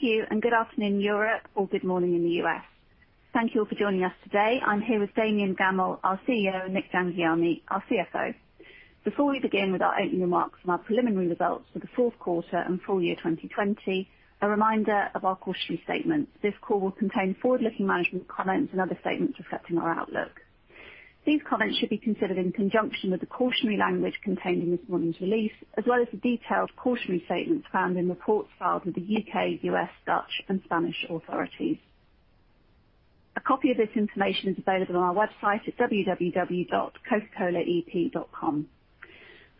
Thank you, and good afternoon, Europe, or good morning in the U.S. Thank you all for joining us today. I'm here with Damian Gammell, our CEO, and Nik Jhangiani, our CFO. Before we begin with our opening remarks and our preliminary results for the fourth quarter and full year 2020, a reminder of our cautionary statement. This call will contain forward-looking management comments and other statements reflecting our outlook. These comments should be considered in conjunction with the cautionary language contained in this morning's release, as well as the detailed cautionary statements found in reports filed with the U.K., U.S., Dutch, and Spanish authorities. A copy of this information is available on our website at www.cocacolaep.com.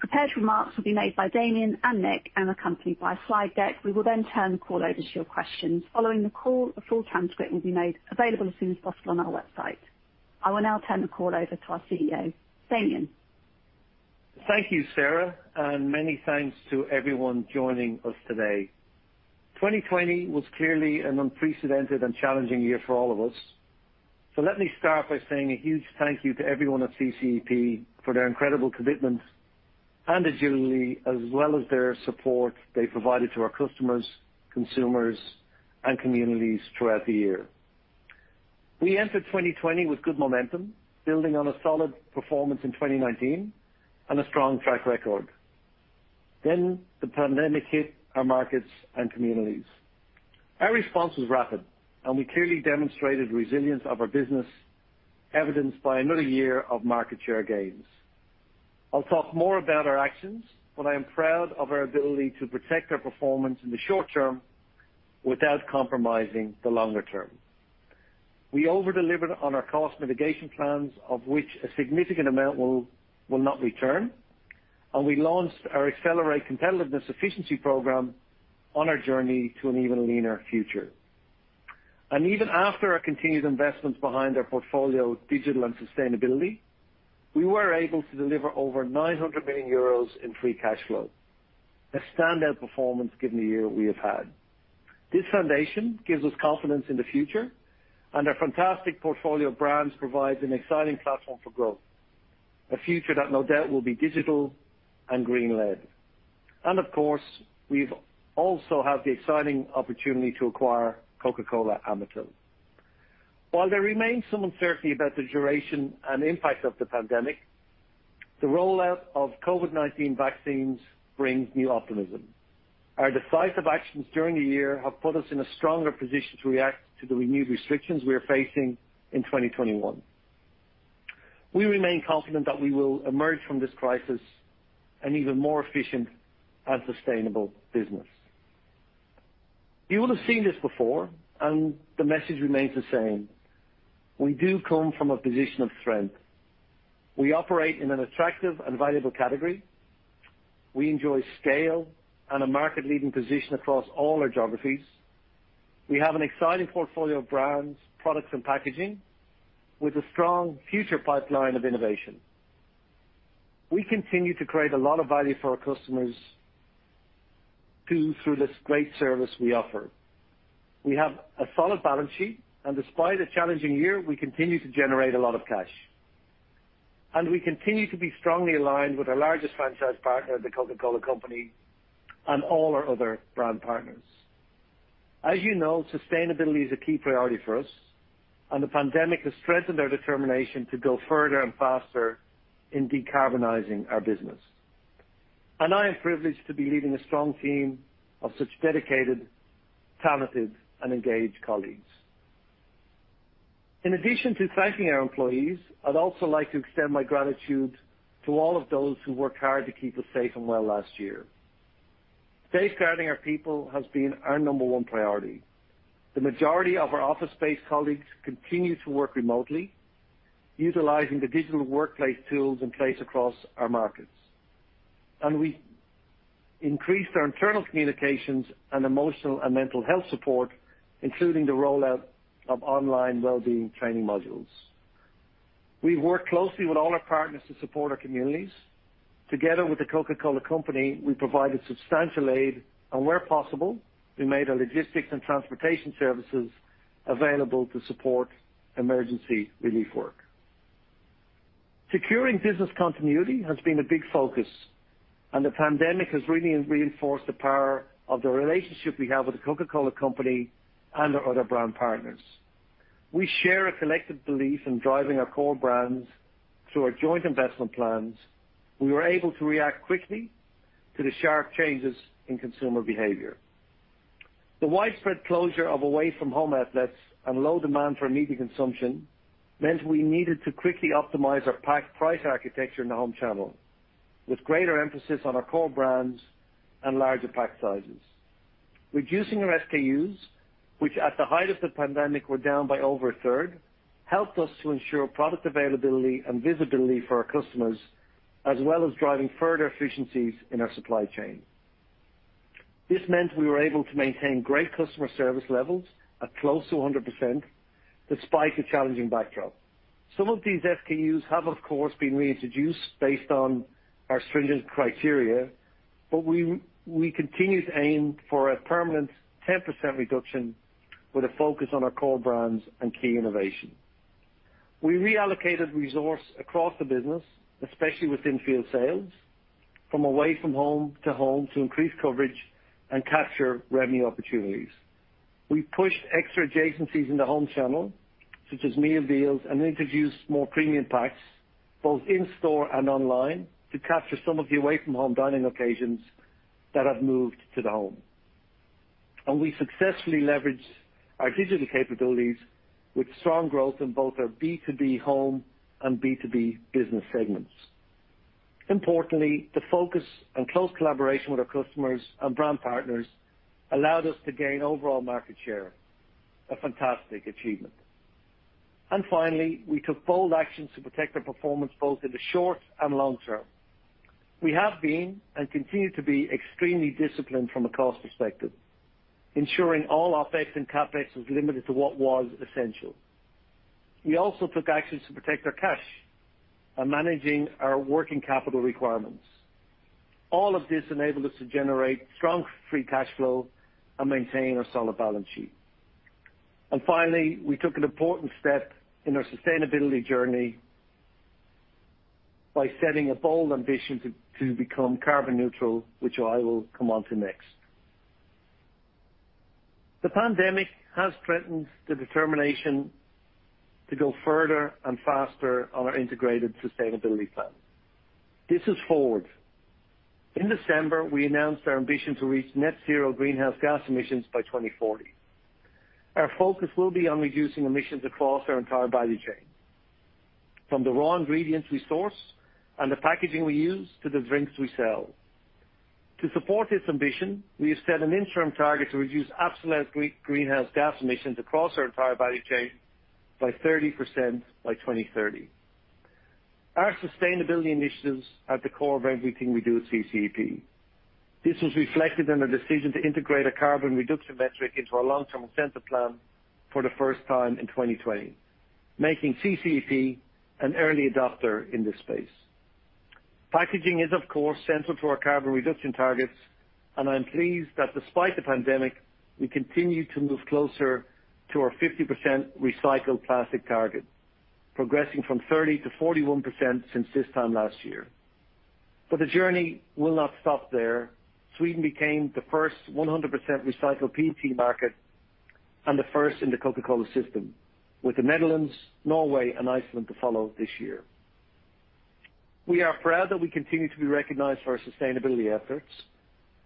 Prepared remarks will be made by Damian and Nik and accompanied by a slide deck. We will then turn the call over to your questions. Following the call, a full transcript will be made available as soon as possible on our website. I will now turn the call over to our CEO, Damian. Thank you, Sarah, and many thanks to everyone joining us today. 2020 was clearly an unprecedented and challenging year for all of us, so let me start by saying a huge thank you to everyone at CCEP for their incredible commitment and agility, as well as their support they provided to our customers, consumers, and communities throughout the year. We entered 2020 with good momentum, building on a solid performance in 2019 and a strong track record. Then the pandemic hit our markets and communities. Our response was rapid, and we clearly demonstrated resilience of our business, evidenced by another year of market share gains. I'll talk more about our actions, but I am proud of our ability to protect our performance in the short term without compromising the longer term. We over-delivered on our cost mitigation plans, of which a significant amount will not return, and we launched our Accelerate Competitiveness efficiency program on our journey to an even leaner future. And even after our continued investments behind our portfolio, digital, and sustainability, we were able to deliver over 900 million euros in free cash flow, a standout performance given the year we have had. This foundation gives us confidence in the future, and our fantastic portfolio of brands provides an exciting platform for growth, a future that no doubt will be digital and green-led. And of course, we've also have the exciting opportunity to acquire Coca-Cola Amatil. While there remains some uncertainty about the duration and impact of the pandemic, the rollout of COVID-19 vaccines brings new optimism. Our decisive actions during the year have put us in a stronger position to react to the renewed restrictions we are facing in 2021. We remain confident that we will emerge from this crisis an even more efficient and sustainable business. You will have seen this before, and the message remains the same. We do come from a position of strength. We operate in an attractive and valuable category. We enjoy scale and a market-leading position across all our geographies. We have an exciting portfolio of brands, products, and packaging, with a strong future pipeline of innovation. We continue to create a lot of value for our customers too, through this great service we offer. We have a solid balance sheet, and despite a challenging year, we continue to generate a lot of cash. We continue to be strongly aligned with our largest franchise partner, The Coca-Cola Company, and all our other brand partners. As you know, sustainability is a key priority for us, and the pandemic has strengthened our determination to go further and faster in decarbonizing our business. I am privileged to be leading a strong team of such dedicated, talented, and engaged colleagues. In addition to thanking our employees, I'd also like to extend my gratitude to all of those who worked hard to keep us safe and well last year. Safeguarding our people has been our number one priority. The majority of our office-based colleagues continue to work remotely, utilizing the digital workplace tools in place across our markets. We increased our internal communications and emotional and mental health support, including the rollout of online well-being training modules. We've worked closely with all our partners to support our communities. Together with The Coca-Cola Company, we provided substantial aid, and where possible, we made our logistics and transportation services available to support emergency relief work. Securing business continuity has been a big focus, and the pandemic has really reinforced the power of the relationship we have with The Coca-Cola Company and our other brand partners. We share a collective belief in driving our core brands through our joint investment plans. We were able to react quickly to the sharp changes in consumer behavior. The widespread closure of away-from-home outlets and low demand for immediate consumption meant we needed to quickly optimize our pack price architecture in the home channel, with greater emphasis on our core brands and larger pack sizes. Reducing our SKUs, which at the height of the pandemic were down by over a third, helped us to ensure product availability and visibility for our customers, as well as driving further efficiencies in our supply chain. This meant we were able to maintain great customer service levels at close to 100%, despite the challenging backdrop. Some of these SKUs have, of course, been reintroduced based on our stringent criteria, but we continue to aim for a permanent 10% reduction with a focus on our core brands and key innovation.... We reallocated resources across the business, especially within field away-from-home to home, to increase coverage and capture revenue opportunities. We pushed extra adjacencies in the home channel, such as meal deals, and introduced more premium packs, both in-store and online, to capture some away-from-home dining occasions that have moved to the home, and we successfully leveraged our digital capabilities with strong growth in both our B2B Home and B2B Business segments. Importantly, the focus and close collaboration with our customers and brand partners allowed us to gain overall market share, a fantastic achievement, and finally, we took bold actions to protect our performance, both in the short and long term. We have been, and continue to be, extremely disciplined from a cost perspective, ensuring all our OpEx and CapEx was limited to what was essential. We also took actions to protect our cash and managing our working capital requirements. All of this enabled us to generate strong free cash flow and maintain our solid balance sheet. Finally, we took an important step in our sustainability journey by setting a bold ambition to become carbon neutral, which I will come on to next. The pandemic has strengthened the determination to go further and faster on our integrated sustainability plan. This is Forward. In December, we announced our ambition to reach net zero greenhouse gas emissions by 2040. Our focus will be on reducing emissions across our entire value chain, from the raw ingredients we source and the packaging we use to the drinks we sell. To support this ambition, we have set an interim target to reduce absolute greenhouse gas emissions across our entire value chain by 30% by 2030. Our sustainability initiatives are at the core of everything we do at CCEP. This was reflected in a decision to integrate a carbon reduction metric into our long-term incentive plan for the first time in 2020, making CCEP an early adopter in this space. Packaging is, of course, central to our carbon reduction targets, and I'm pleased that despite the pandemic, we continue to move closer to our 50% recycled plastic target, progressing from 30% to 41% since this time last year. But the journey will not stop there. Sweden became the first 100% recycled PET market and the first in the Coca-Cola system, with the Netherlands, Norway, and Iceland to follow this year. We are proud that we continue to be recognized for our sustainability efforts.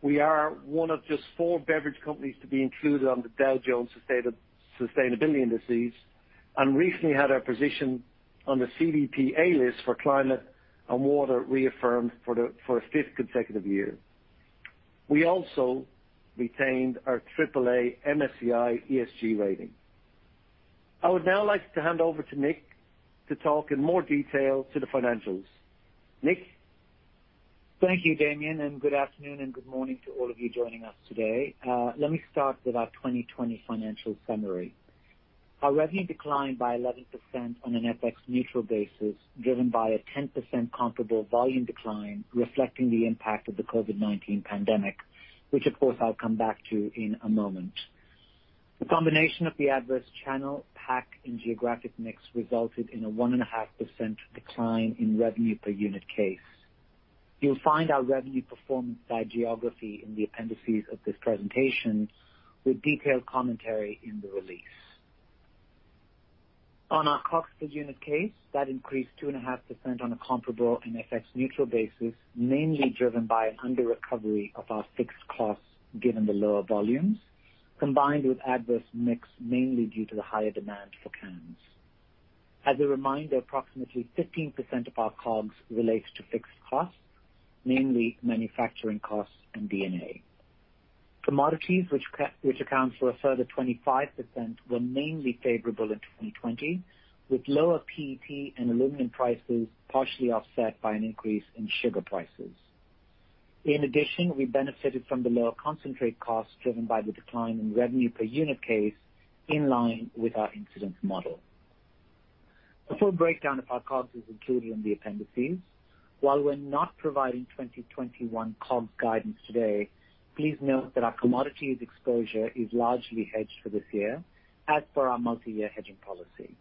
We are one of just four beverage companies to be included on the Dow Jones Sustainability Indices, and recently had our position on the CDP A List for climate and water reaffirmed for a fifth consecutive year. We also retained our AAA MSCI ESG rating. I would now like to hand over to Nik to talk in more detail to the financials. Nik? Thank you, Damian, and good afternoon and good morning to all of you joining us today. Let me start with our 2020 financial summary. Our revenue declined by 11% on an FX-neutral basis, driven by a 10% comparable volume decline, reflecting the impact of the COVID-19 pandemic, which, of course, I'll come back to in a moment. The combination of the adverse channel mix and geographic mix resulted in a 1.5% decline in revenue per unit case. You'll find our revenue performance by geography in the appendices of this presentation, with detailed commentary in the release. On our costs per unit case, that increased 2.5% on a comparable and FX neutral basis, mainly driven by an under recovery of our fixed costs, given the lower volumes, combined with adverse mix, mainly due to the higher demand for cans. As a reminder, approximately 15% of our COGS relates to fixed costs, mainly manufacturing costs and D&A. Commodities, which accounts for a further 25%, were mainly favorable in 2020, with lower PET and aluminum prices, partially offset by an increase in sugar prices. In addition, we benefited from the lower concentrate costs driven by the decline in revenue per unit case in line with our incidence model. A full breakdown of our COGS is included in the appendices. While we're not providing 2021 COGS guidance today, please note that our commodities exposure is largely hedged for this year as per our multi-year hedging policy.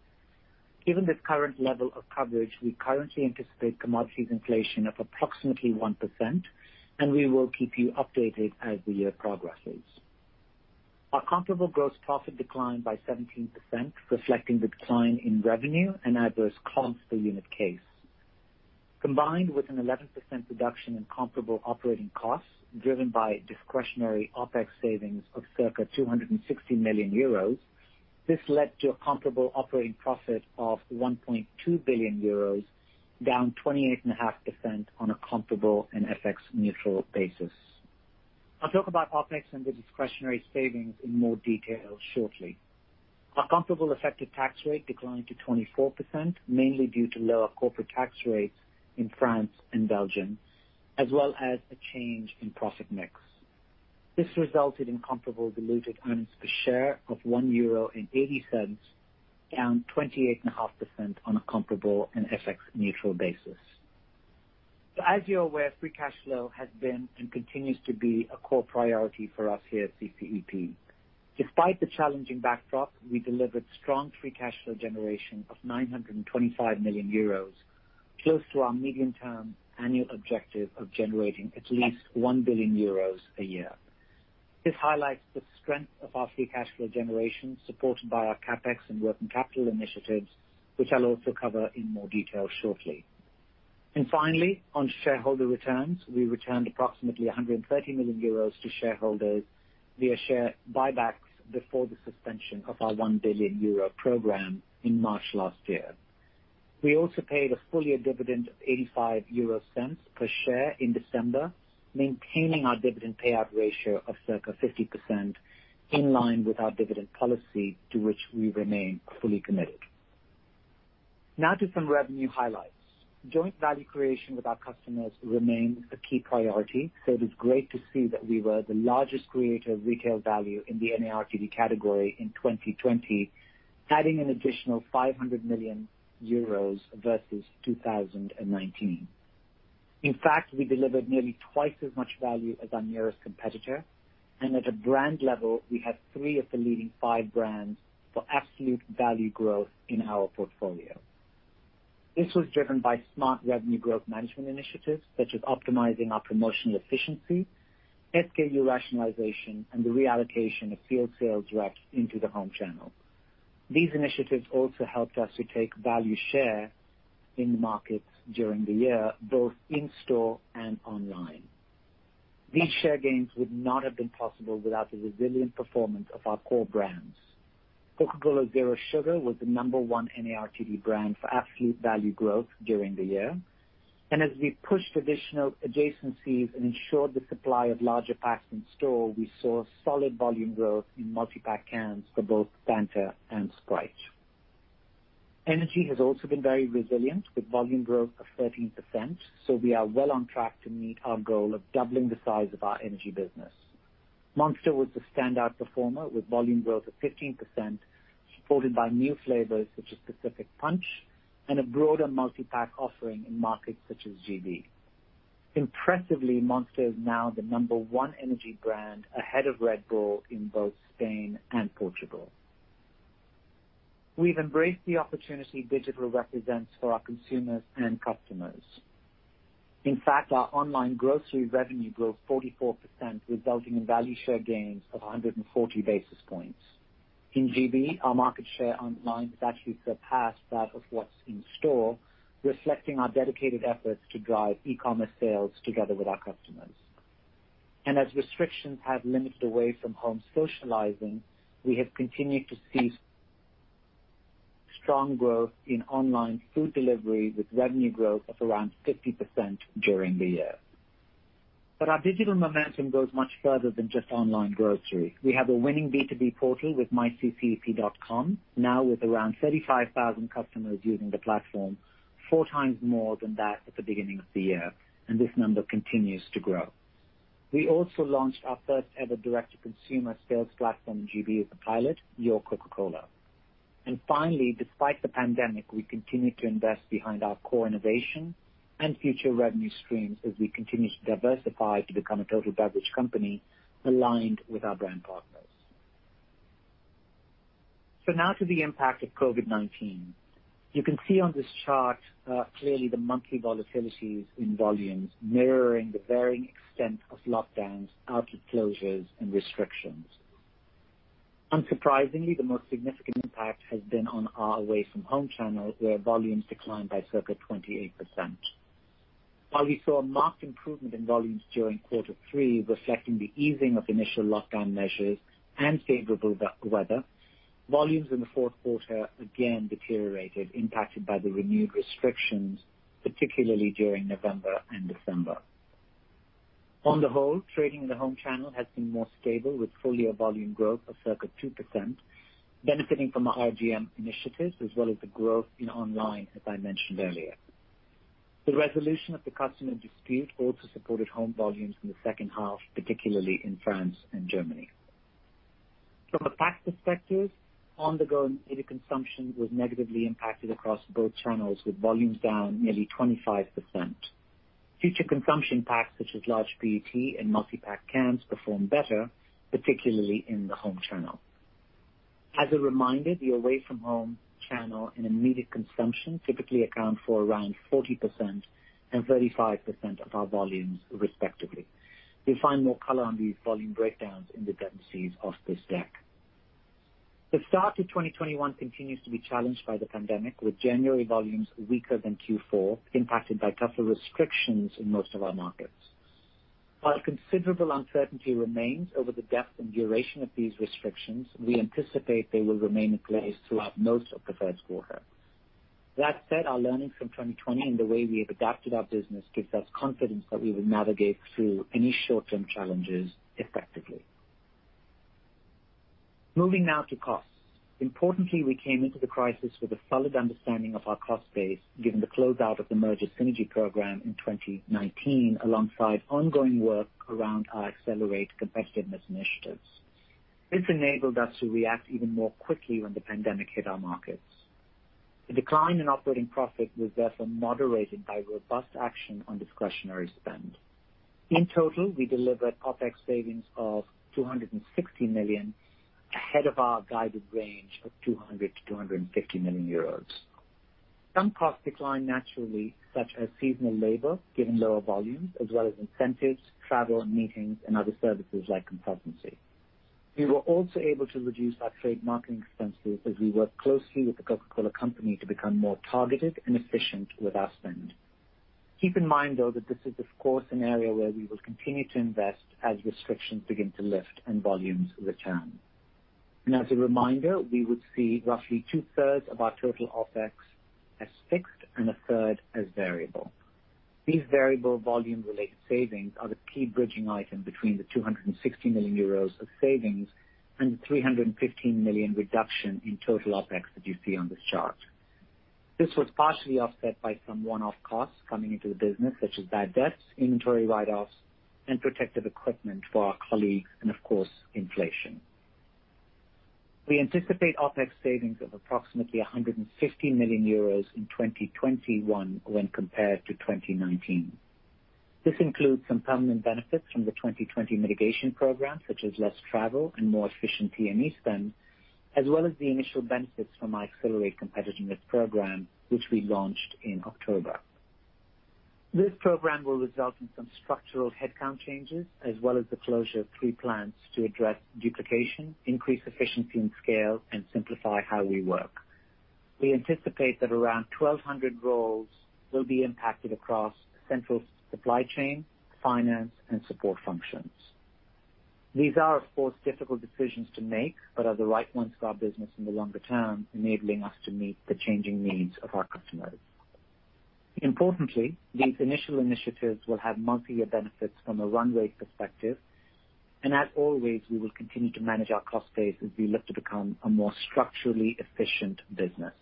Given this current level of coverage, we currently anticipate commodities inflation of approximately 1%, and we will keep you updated as the year progresses. Our comparable gross profit declined by 17%, reflecting the decline in revenue and adverse costs per unit case. Combined with an 11% reduction in comparable operating costs, driven by discretionary OpEx savings of approximately 260 million euros, this led to a comparable operating profit of 1.2 billion euros, down 28.5% on a comparable and FX neutral basis. I'll talk about OpEx and the discretionary savings in more detail shortly. Our comparable effective tax rate declined to 24%, mainly due to lower corporate tax rates in France and Belgium, as well as a change in profit mix. This resulted in comparable diluted earnings per share of 1.80 euro, down 28.5% on a comparable and FX neutral basis, so as you're aware, free cash flow has been and continues to be a core priority for us here at CCEP. Despite the challenging backdrop, we delivered strong free cash flow generation of 925 million euros, close to our medium-term annual objective of generating at least 1 billion euros a year. This highlights the strength of our free cash flow generation, supported by our CapEx and working capital initiatives, which I'll also cover in more detail shortly. And finally, on shareholder returns, we returned approximately 130 million euros to shareholders via share buybacks before the suspension of our 1 billion euro program in March last year. We also paid a full-year dividend of 0.85 per share in December, maintaining our dividend payout ratio of circa 50%, in line with our dividend policy, to which we remain fully committed. Now to some revenue highlights. Joint value creation with our customers remains a key priority, so it is great to see that we were the largest creator of retail value in the NARTD category in 2020, adding an additional 500 million euros versus 2019. In fact, we delivered nearly twice as much value as our nearest competitor, and at a brand level, we had three of the leading five brands for absolute value growth in our portfolio. This was driven by smart revenue growth management initiatives, such as optimizing our promotional efficiency, SKU rationalization, and the reallocation of field sales reps into the home channel. These initiatives also helped us to take value share in the markets during the year, both in-store and online. These share gains would not have been possible without the resilient performance of our core brands. Coca-Cola Zero Sugar was the number one NARTD brand for absolute value growth during the year. And as we pushed additional adjacencies and ensured the supply of larger packs in store, we saw solid volume growth in multipack cans for both Fanta and Sprite. Energy has also been very resilient, with volume growth of 13%, so we are well on track to meet our goal of doubling the size of our energy business. Monster was the standout performer, with volume growth of 15%, supported by new flavors such as Pacific Punch and a broader multipack offering in markets such as GB. Impressively, Monster is now the number one energy brand ahead of Red Bull in both Spain and Portugal. We've embraced the opportunity digital represents for our consumers and customers. In fact, our online grocery revenue grew 44%, resulting in value share gains of 140 basis points. In GB, our market share online has actually surpassed that of what's in store, reflecting our dedicated efforts to drive e-commerce sales together with our customers. And as restrictions have limited away-from-home socializing, we have continued to see strong growth in online food delivery, with revenue growth of around 50% during the year. But our digital momentum goes much further than just online grocery. We have a winning B2B portal with myCCEP.com, now with around thirty-five thousand customers using the platform, four times more than that at the beginning of the year, and this number continues to grow. We also launched our first-ever direct-to-consumer sales platform in GB as a pilot, Your Coca-Cola. And finally, despite the pandemic, we continue to invest behind our core innovation and future revenue streams as we continue to diversify to become a total beverage company aligned with our brand partners. So now to the impact of COVID-19. You can see on this chart, clearly the monthly volatilities in volumes, mirroring the varying extent of lockdowns, outlet closures, and restrictions. Unsurprisingly, the most significant impact has been on our away-from-home channel, where volumes declined by circa 28%. While we saw a marked improvement in volumes during quarter three, reflecting the easing of initial lockdown measures and favorable weather, volumes in the fourth quarter again deteriorated, impacted by the renewed restrictions, particularly during November and December. On the whole, trading in the home channel has been more stable, with full-year volume growth of circa 2%, benefiting from our RGM initiatives as well as the growth in online, as I mentioned earlier. The resolution of the customer dispute also supported home volumes in the second half, particularly in France and Germany. From a pack perspective, on-the-go and immediate consumption was negatively impacted across both channels, with volumes down nearly 25%. Future consumption packs, such as large PET and multipack cans, performed better, particularly in the home channel. As a reminder, the away-from-home channel and immediate consumption typically account for around 40% and 35% of our volumes, respectively. You'll find more color on the volume breakdowns in the appendices of this deck. The start to 2021 continues to be challenged by the pandemic, with January volumes weaker than Q4, impacted by tougher restrictions in most of our markets. While considerable uncertainty remains over the depth and duration of these restrictions, we anticipate they will remain in place throughout most of the first quarter. That said, our learnings from 2020 and the way we have adapted our business gives us confidence that we will navigate through any short-term challenges effectively. Moving now to costs. Importantly, we came into the crisis with a solid understanding of our cost base, given the closeout of the merger synergy program in 2019, alongside ongoing work around our Accelerate Competitiveness initiatives... This enabled us to react even more quickly when the pandemic hit our markets. The decline in operating profit was therefore moderated by robust action on discretionary spend. In total, we delivered OpEx savings of 260 million, ahead of our guided range of 200 million-250 million euros. Some costs declined naturally, such as seasonal labor, given lower volumes, as well as incentives, travel, and meetings and other services like consultancy. We were also able to reduce our trade marketing expenses as we worked closely with The Coca-Cola Company to become more targeted and efficient with our spend. Keep in mind, though, that this is, of course, an area where we will continue to invest as restrictions begin to lift and volumes return. And as a reminder, we would see roughly two-thirds of our total OpEx as fixed and a third as variable. These variable volume-related savings are the key bridging item between the 260 million euros of savings and the 315 million reduction in total OpEx that you see on this chart. This was partially offset by some one-off costs coming into the business, such as bad debts, inventory write-offs, and protective equipment for our colleagues, and, of course, inflation. We anticipate OpEx savings of approximately 150 million euros in 2021 when compared to 2019. This includes some permanent benefits from the 2020 mitigation program, such as less travel and more efficient DME spend, as well as the initial benefits from our Accelerate Competitiveness program, which we launched in October. This program will result in some structural headcount changes as well as the closure of three plants to address duplication, increase efficiency and scale, and simplify how we work. We anticipate that around 1,200 roles will be impacted across central supply chain, finance, and support functions. These are, of course, difficult decisions to make, but are the right ones for our business in the longer term, enabling us to meet the changing needs of our customers. Importantly, these initial initiatives will have multi-year benefits from a runway perspective, and as always, we will continue to manage our cost base as we look to become a more structurally efficient business.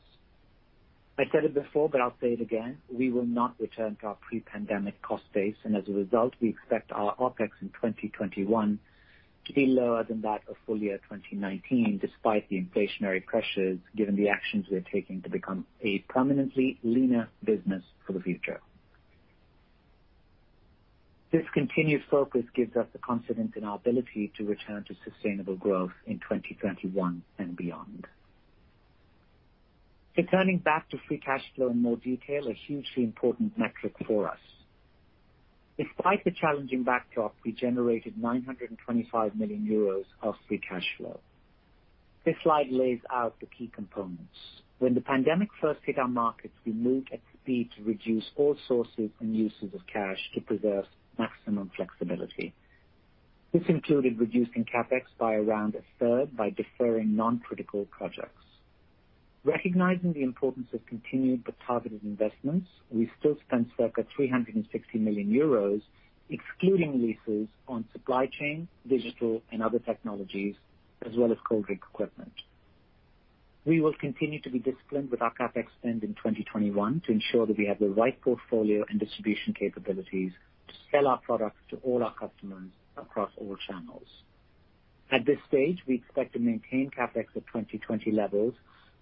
I said it before, but I'll say it again, we will not return to our pre-pandemic cost base, and as a result, we expect our OpEx in 2021 to be lower than that of full year 2019, despite the inflationary pressures, given the actions we are taking to become a permanently leaner business for the future. This continued focus gives us the confidence in our ability to return to sustainable growth in 2021 and beyond, so turning back to free cash flow in more detail, a hugely important metric for us. Despite the challenging backdrop, we generated 925 million euros of free cash flow. This slide lays out the key components. When the pandemic first hit our markets, we moved at speed to reduce all sources and uses of cash to preserve maximum flexibility. This included reducing CapEx by around a third by deferring non-critical projects. Recognizing the importance of continued but targeted investments, we still spent circa 360 million euros, excluding leases on supply chain, digital and other technologies, as well as cold drink equipment. We will continue to be disciplined with our CapEx spend in 2021 to ensure that we have the right portfolio and distribution capabilities to sell our products to all our customers across all channels. At this stage, we expect to maintain CapEx at 2020 levels,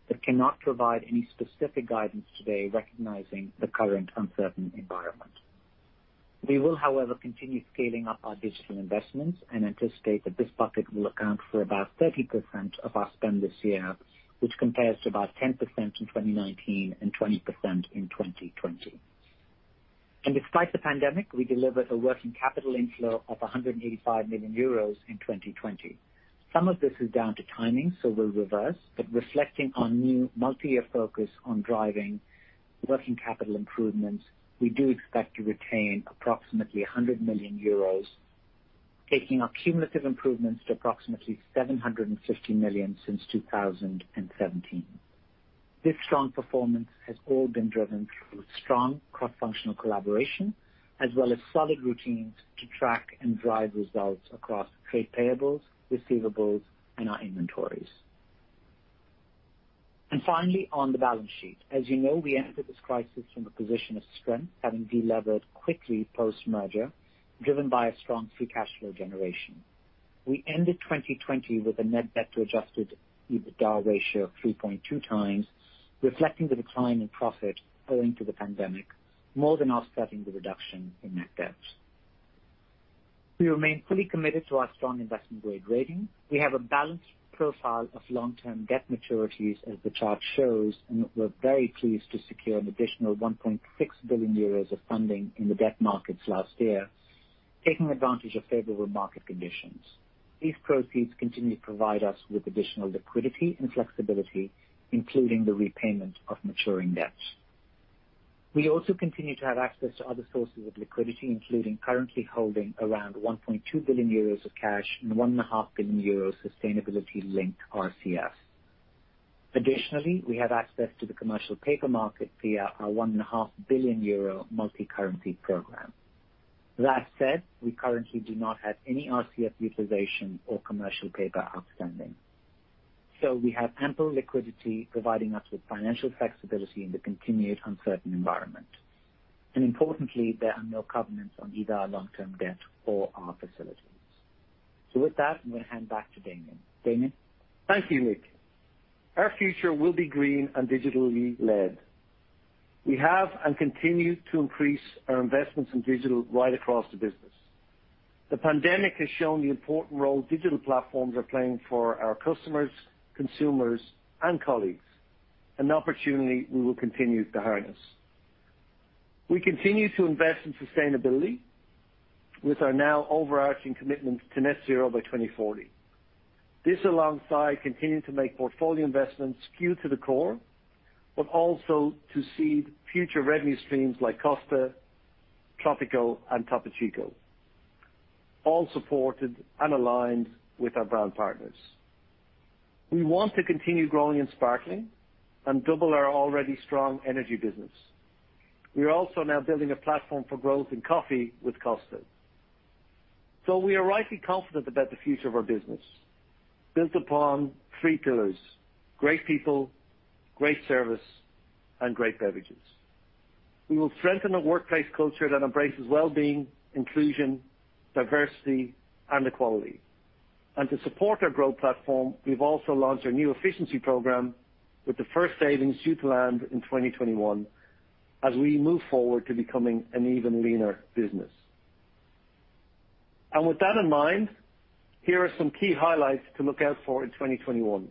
but cannot provide any specific guidance today, recognizing the current uncertain environment. We will, however, continue scaling up our digital investments and anticipate that this budget will account for about 30% of our spend this year, which compares to about 10% in 2019 and 20% in 2020. Despite the pandemic, we delivered a working capital inflow of 185 million euros in 2020. Some of this is down to timing, so will reverse, but reflecting on new multi-year focus on driving working capital improvements, we do expect to retain approximately 100 million euros, taking our cumulative improvements to approximately 750 million since 2017. This strong performance has all been driven through strong cross-functional collaboration, as well as solid routines to track and drive results across trade payables, receivables, and our inventories. Finally, on the balance sheet. As you know, we entered this crisis from a position of strength, having delevered quickly post-merger, driven by a strong free cash flow generation. We ended 2020 with a net debt to adjusted EBITDA ratio of 3.2x, reflecting the decline in profit owing to the pandemic, more than offsetting the reduction in net debt. We remain fully committed to our strong investment-grade rating. We have a balanced profile of long-term debt maturities, as the chart shows, and we're very pleased to secure an additional 1.6 billion euros of funding in the debt markets last year, taking advantage of favorable market conditions. These proceeds continue to provide us with additional liquidity and flexibility, including the repayment of maturing debts. We also continue to have access to other sources of liquidity, including currently holding around 1.2 billion euros of cash and 1.5 billion euros sustainability-linked RCF. Additionally, we have access to the commercial paper market via our 1.5 billion euro multicurrency program. That said, we currently do not have any RCF utilization or commercial paper outstanding. So we have ample liquidity providing us with financial flexibility in the continued uncertain environment. And importantly, there are no covenants on either our long-term debt or our facilities. So with that, I'm going to hand back to Damian. Damian? Thank you, Nik. Our future will be green and digitally led. We have and continue to increase our investments in digital right across the business. The pandemic has shown the important role digital platforms are playing for our customers, consumers, and colleagues, an opportunity we will continue to harness. We continue to invest in sustainability with our now overarching commitment to Net Zero by 2040. This, alongside continuing to make portfolio investments skew to the core, but also to seed future revenue streams like Costa, Tropico, and Topo Chico, all supported and aligned with our brand partners. We want to continue growing and sparkling, and double our already strong energy business. We are also now building a platform for growth in coffee with Costa. So we are rightly confident about the future of our business, built upon three pillars: great people, great service, and great beverages. We will strengthen a workplace culture that embraces well-being, inclusion, diversity, and equality, and to support our growth platform, we've also launched a new efficiency program with the first savings due to land in 2021 as we move forward to becoming an even leaner business, and with that in mind, here are some key highlights to look out for in 2021.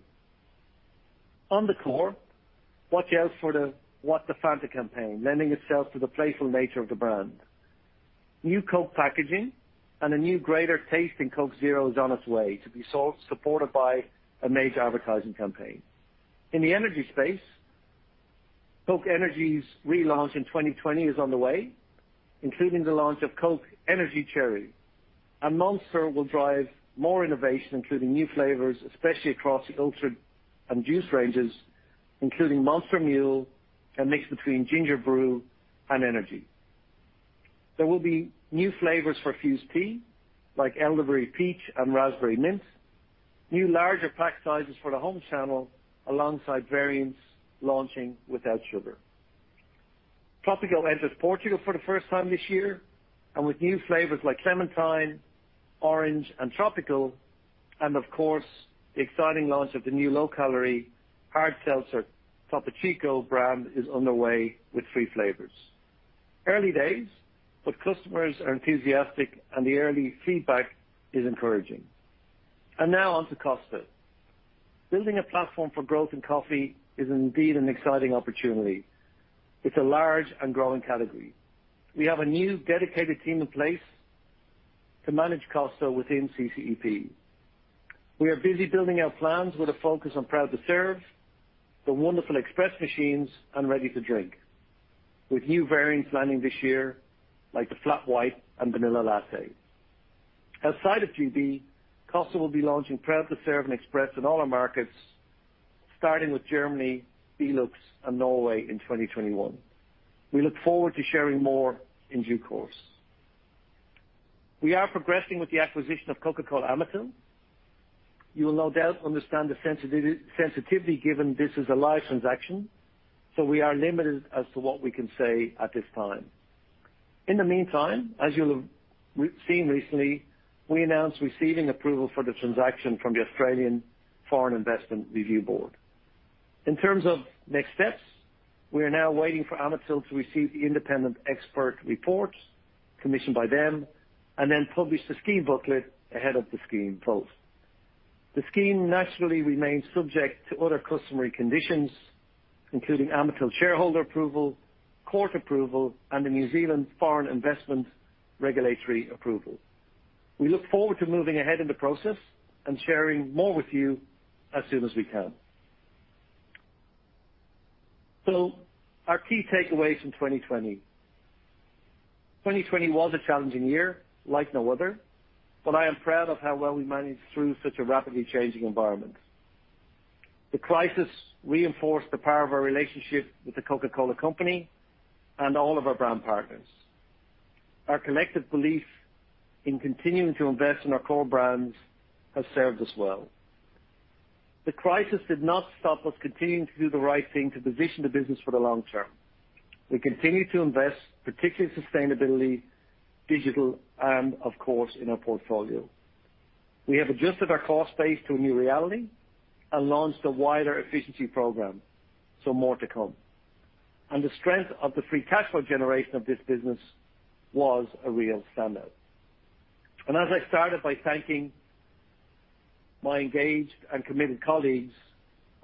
On the core, watch out for the What The Fanta campaign, lending itself to the playful nature of the brand. New Coke packaging and a new greater taste in Coke Zero is on its way to be sold, supported by a major advertising campaign. In the energy space, Coke Energy's relaunch in 2020 is on the way, including the launch of Coke Energy Cherry. Monster will drive more innovation, including new flavors, especially across the alcoholic and juice ranges, including Monster Mule, a mix between ginger brew and energy. There will be new flavors for Fuze Tea, like elderberry peach and raspberry mint, new larger pack sizes for the home channel, alongside variants launching without sugar. Tropico enters Portugal for the first time this year, and with new flavors like clementine, orange, and tropical, and of course, the exciting launch of the new low-calorie hard seltzer, Topo Chico brand, is on the way with three flavors. Early days, but customers are enthusiastic and the early feedback is encouraging. Now on to Costa. Building a platform for growth in coffee is indeed an exciting opportunity. It's a large and growing category. We have a new dedicated team in place to manage Costa within CCEP. We are busy building our plans with a focus on Proud to Serve, the wonderful Express machines, and Ready-to-Drink, with new variants landing this year, like the flat white and vanilla latte. Outside of GB, Costa will be launching Proud to Serve and Express in all our markets, starting with Germany, Belux, and Norway in 2021. We look forward to sharing more in due course. We are progressing with the acquisition of Coca-Cola Amatil. You will no doubt understand the sensitivity, given this is a live transaction, so we are limited as to what we can say at this time. In the meantime, as you'll have seen recently, we announced receiving approval for the transaction from the Australian Foreign Investment Review Board. In terms of next steps, we are now waiting for Amatil to receive the Independent Expert's Reports commissioned by them, and then publish the Scheme Booklet ahead of the scheme vote. The scheme naturally remains subject to other customary conditions, including Amatil shareholder approval, court approval, and the New Zealand foreign investment regulatory approval. We look forward to moving ahead in the process and sharing more with you as soon as we can. So our key takeaways from 2020. 2020 was a challenging year like no other, but I am proud of how well we managed through such a rapidly changing environment. The crisis reinforced the power of our relationship with the Coca-Cola Company and all of our brand partners. Our collective belief in continuing to invest in our core brands has served us well. The crisis did not stop us continuing to do the right thing to position the business for the long term. We continued to invest, particularly in sustainability, digital, and of course, in our portfolio. We have adjusted our cost base to a new reality and launched a wider efficiency program, so more to come. And the strength of the free cash flow generation of this business was a real standout. And as I started by thanking my engaged and committed colleagues,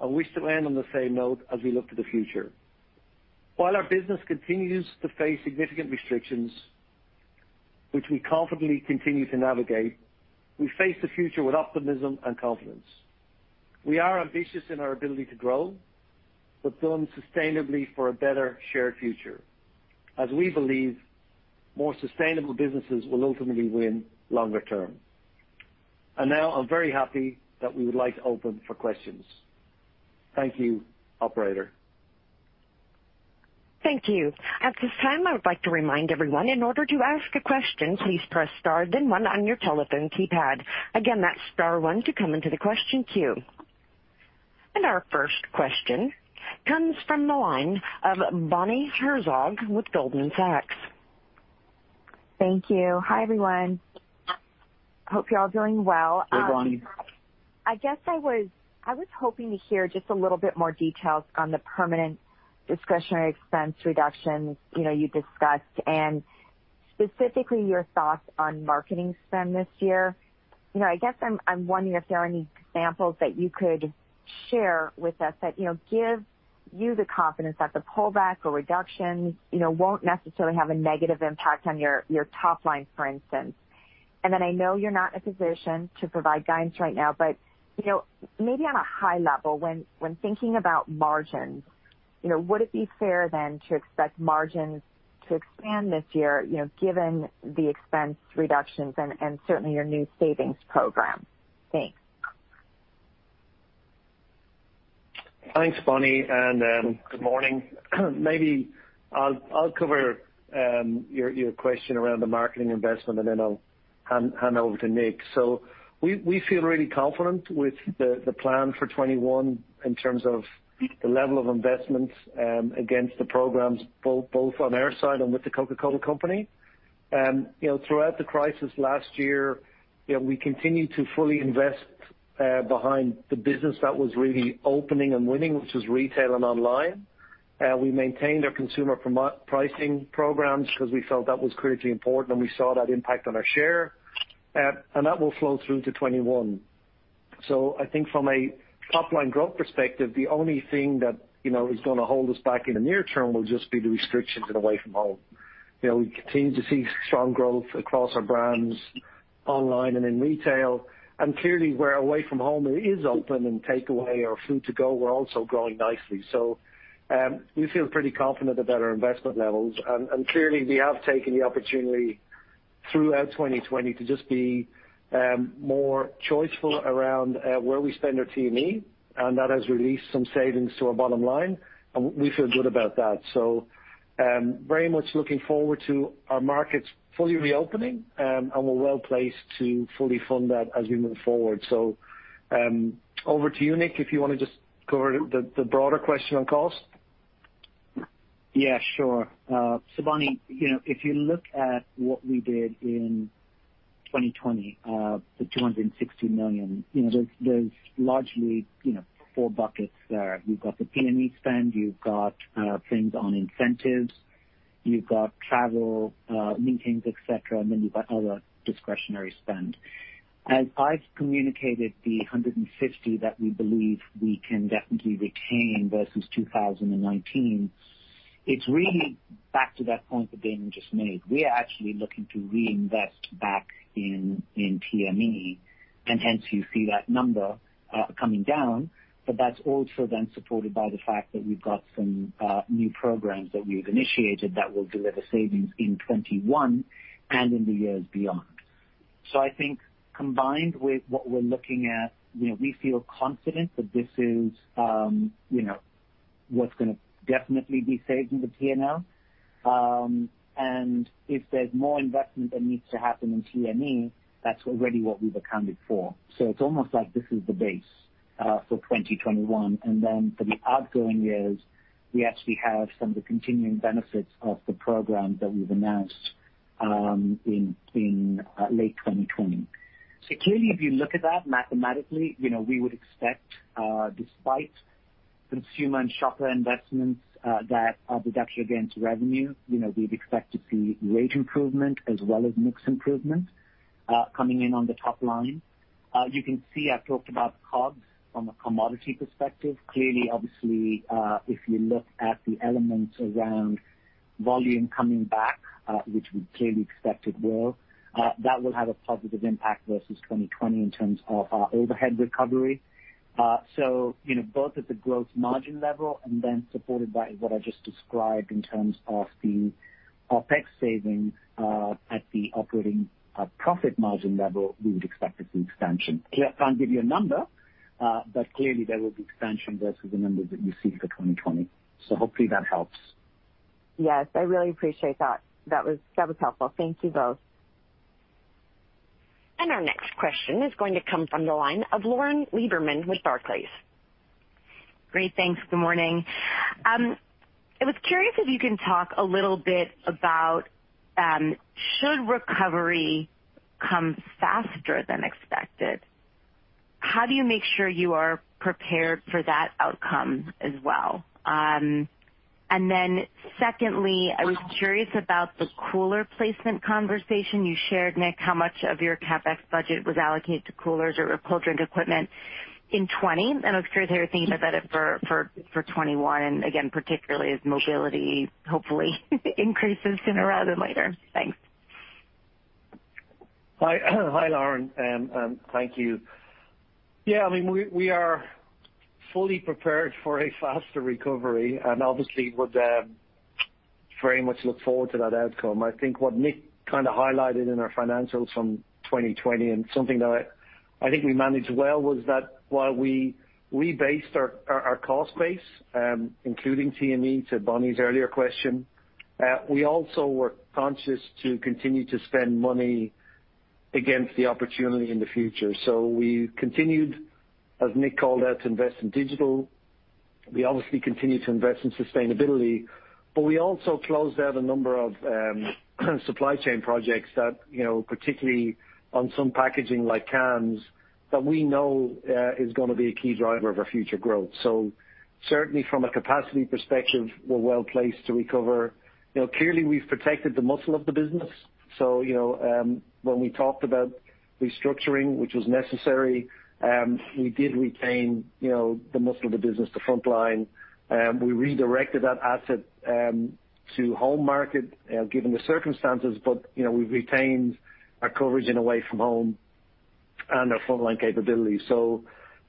I wish to end on the same note as we look to the future. While our business continues to face significant restrictions, which we confidently continue to navigate, we face the future with optimism and confidence. We are ambitious in our ability to grow, but done sustainably for a better shared future, as we believe more sustainable businesses will ultimately win longer term. Now, I'm very happy that we would like to open for questions. Thank you, operator.... Thank you. At this time, I would like to remind everyone, in order to ask a question, please press star then one on your telephone keypad. Again, that's star one to come into the question queue. And our first question comes from the line of Bonnie Herzog with Goldman Sachs. Thank you. Hi, everyone. Hope you're all doing well. Hey, Bonnie. I guess I was hoping to hear just a little bit more details on the permanent discretionary expense reductions, you know, you discussed, and specifically your thoughts on marketing spend this year. You know, I guess I'm wondering if there are any examples that you could share with us that, you know, give you the confidence that the pullback or reductions, you know, won't necessarily have a negative impact on your top line, for instance. And then I know you're not in a position to provide guidance right now, but, you know, maybe on a high level, when thinking about margins, you know, would it be fair then to expect margins to expand this year, you know, given the expense reductions and certainly your new savings program? Thanks. Thanks, Bonnie, and good morning. Maybe I'll cover your question around the marketing investment, and then I'll hand over to Nik. So we feel really confident with the plan for 2021 in terms of the level of investments against the programs, both on our side and with The Coca-Cola Company. You know, throughout the crisis last year, you know, we continued to fully invest behind the business that was really opening and winning, which was retail and online. We maintained our consumer promotion pricing programs because we felt that was critically important, and we saw that impact on our share. That will flow through to 2021. So I think from a top-line growth perspective, the only thing that, you know, is gonna hold us back in the near term will just be the away-from-home. you know, we continue to see strong growth across our brands online and in retail, and away-from-home is open and takeaway or food to go, we're also growing nicely. So, we feel pretty confident about our investment levels. And clearly, we have taken the opportunity throughout 2020 to just be more choiceful around where we spend our TME, and that has released some savings to our bottom line, and we feel good about that. So, very much looking forward to our markets fully reopening, and we're well placed to fully fund that as we move forward. Over to you, Nik, if you want to just cover the broader question on cost. Yeah, sure. So Bonnie, you know, if you look at what we did in 2020, the 260 million, you know, there's largely four buckets there. You've got the DME spend, you've got things on incentives, you've got travel, meetings, et cetera, and then you've got other discretionary spend. As I've communicated, the 150 million that we believe we can definitely retain versus 2019, it's really back to that point that Damian just made. We are actually looking to reinvest back in TME, and hence you see that number coming down. But that's also then supported by the fact that we've got some new programs that we've initiated that will deliver savings in 2021 and in the years beyond. So I think combined with what we're looking at, you know, we feel confident that this is, you know, what's gonna definitely be saved in the P&L. And if there's more investment that needs to happen in TME, that's already what we've accounted for. It's almost like this is the base for 2021, and then for the outgoing years, we actually have some of the continuing benefits of the programs that we've announced in late 2020. Clearly, if you look at that mathematically, you know, we would expect, despite consumer and shopper investments that are deduction against revenue, you know, we'd expect to see rate improvement as well as mix improvement coming in on the top line. You can see I've talked about COGS from a commodity perspective. Clearly, obviously, if you look at the elements around volume coming back, which we clearly expect it will, that will have a positive impact versus 2020 in terms of our overhead recovery. So, you know, both at the growth margin level and then supported by what I just described in terms of the OpEx savings, at the operating profit margin level, we would expect to see expansion. Can't give you a number, but clearly there will be expansion versus the numbers that you see for 2020. Hopefully that helps. Yes, I really appreciate that. That was, that was helpful. Thank you both. Our next question is going to come from the line of Lauren Lieberman with Barclays. Great. Thanks. Good morning. I was curious if you can talk a little bit about, should recovery come faster than expected, how do you make sure you are prepared for that outcome as well? And then secondly, I was curious about the cooler placement conversation you shared, Nik, how much of your CapEx budget was allocated to coolers or cold drink equipment in 2020? And I was curious how you're thinking about that for 2021, and again, particularly as mobility hopefully increases sooner rather than later. Thanks. Hi. Hi, Lauren, thank you. Yeah, I mean, we are fully prepared for a faster recovery and obviously very much look forward to that outcome. I think what Nik kind of highlighted in our financials from 2020 and something that I think we managed well, was that while we based our cost base, including TME, to Bonnie's earlier question, we also were conscious to continue to spend money against the opportunity in the future. So we continued, as Nik called out, to invest in digital. We obviously continued to invest in sustainability, but we also closed out a number of supply chain projects that, you know, particularly on some packaging like cans, that we know is gonna be a key driver of our future growth. So certainly from a capacity perspective, we're well placed to recover. You know, clearly, we've protected the muscle of the business. So, you know, when we talked about restructuring, which was necessary, we did retain, you know, the muscle of the business, the frontline. We redirected that asset to home market, given the circumstances, but, you know, we've retained our away-from-home and our frontline capabilities. So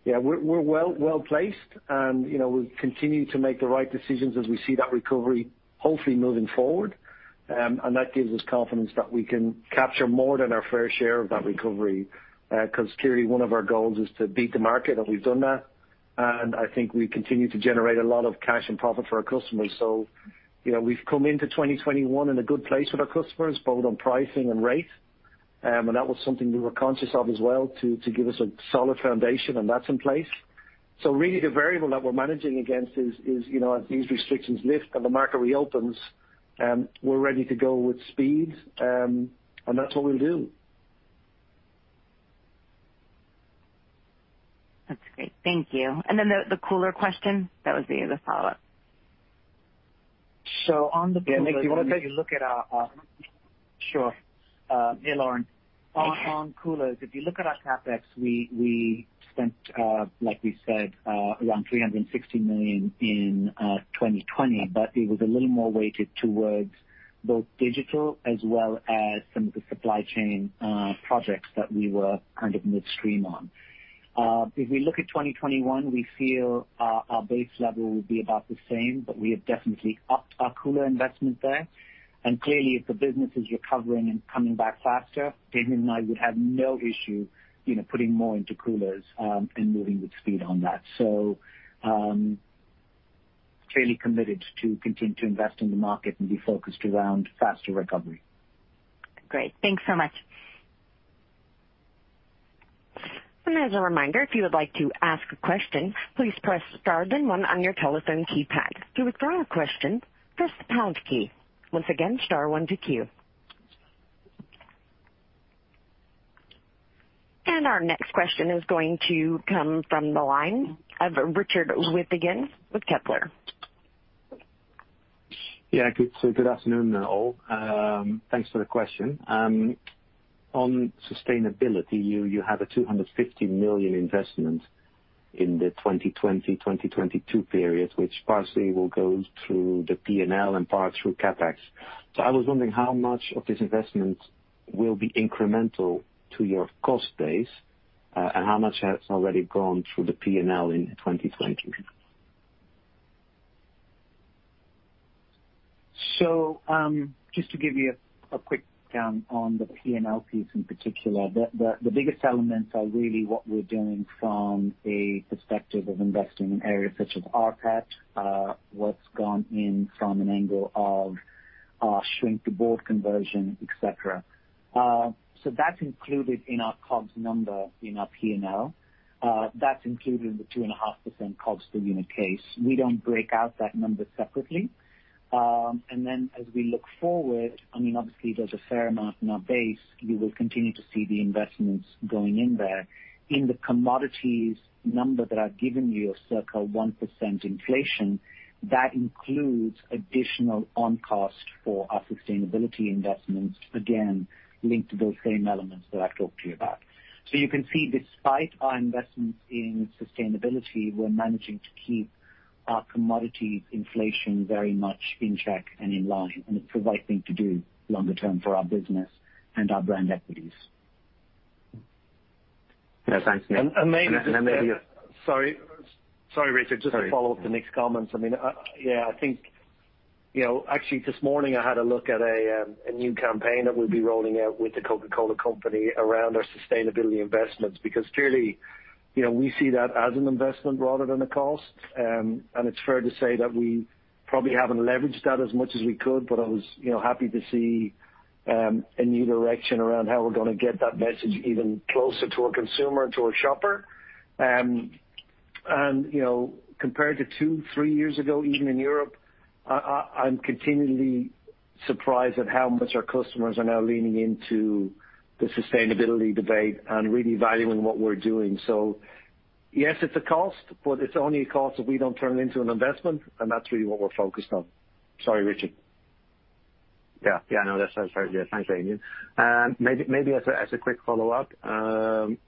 yeah, we're well-placed and, you know, we'll continue to make the right decisions as we see that recovery hopefully moving forward. And that gives us confidence that we can capture more than our fair share of that recovery. Because clearly one of our goals is to beat the market, and we've done that. And I think we continue to generate a lot of cash and profit for our customers. So, you know, we've come into 2021 in a good place with our customers, both on pricing and rate. And that was something we were conscious of as well, to give us a solid foundation, and that's in place. So really, the variable that we're managing against is, you know, as these restrictions lift and the market reopens, we're ready to go with speed, and that's what we'll do. That's great. Thank you. And then the cooler question, that was the follow-up. So on the cooler, if you look at our- Sure. Hey, Lauren. Hey. On coolers, if you look at our CapEx, we spent, like we said, around 360 million in 2020, but it was a little more weighted towards both digital as well as some of the supply chain projects that we were kind of midstream on. If we look at 2021, we feel our base level will be about the same, but we have definitely upped our cooler investment there. And clearly, if the business is recovering and coming back faster, Damian and I would have no issue, you know, putting more into coolers and moving with speed on that. So clearly committed to continue to invest in the market and be focused around faster recovery. Great. Thanks so much. And as a reminder, if you would like to ask a question, please press star then one on your telephone keypad. To withdraw a question, press the pound key. Once again, star one to queue. And our next question is going to come from the line of Richard Withagen with Kepler Cheuvreux. Yeah, good. Good afternoon, all. Thanks for the question. On sustainability, you, you have a 250 million investment in the 2020-2022 period, which partially will go through the P&L and part through CapEx. So I was wondering, how much of this investment will be incremental to your cost base, and how much has already gone through the P&L in 2020? So, just to give you a quick down on the P&L piece in particular, the biggest elements are really what we're doing from a perspective of investing in areas such as rPET, what's gone in from an angle of shrink to board conversion, et cetera. So that's included in our COGS number in our P&L. That's included in the 2.5% COGS per unit case. We don't break out that number separately. And then as we look forward, I mean, obviously, there's a fair amount in our base. You will continue to see the investments going in there. In the commodities number that I've given you of circa 1% inflation, that includes additional on-cost for our sustainability investments, again, linked to those same elements that I've talked to you about. So you can see, despite our investments in sustainability, we're managing to keep our commodities inflation very much in check and in line, and it's the right thing to do longer term for our business and our brand equities. Yeah, thanks, Nik. And maybe- And maybe- Sorry. Sorry, Richard. Sorry. Just to follow up to Nik's comments. I mean, yeah, I think. You know, actually, this morning, I had a look at a new campaign that we'll be rolling out with the Coca-Cola Company around our sustainability investments, because clearly, you know, we see that as an investment rather than a cost, and it's fair to say that we probably haven't leveraged that as much as we could, but I was, you know, happy to see a new direction around how we're gonna get that message even closer to our consumer and to our shopper, and, you know, compared to two, three years ago, even in Europe, I'm continually surprised at how much our customers are now leaning into the sustainability debate and really valuing what we're doing. So yes, it's a cost, but it's only a cost if we don't turn it into an investment, and that's really what we're focused on. Sorry, Richard. Yeah. Yeah, no, that's very good. Thanks, Damian. Maybe as a quick follow-up,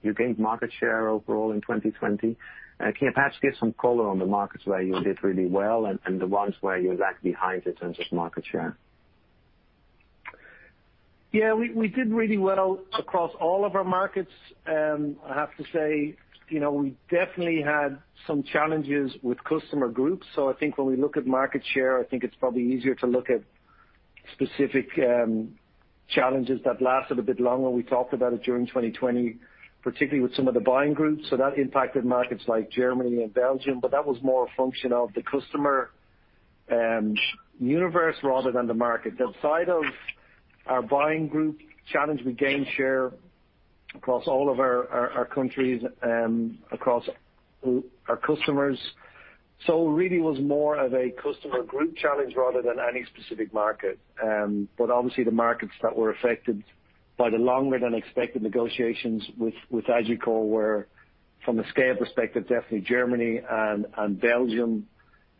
you gained market share overall in 2020. Can you perhaps give some color on the markets where you did really well and the ones where you lagged behind in terms of market share? ... Yeah, we did really well across all of our markets. I have to say, you know, we definitely had some challenges with customer groups. So I think when we look at market share, I think it's probably easier to look at specific challenges that lasted a bit longer. We talked about it during 2020, particularly with some of the buying groups. So that impacted markets like Germany and Belgium, but that was more a function of the customer universe rather than the market. Outside of our buying group challenge, we gained share across all of our countries and across our customers. So really was more of a customer group challenge rather than any specific market. But obviously, the markets that were affected by the longer than expected negotiations with AgeCore were, from a scale perspective, definitely Germany and Belgium.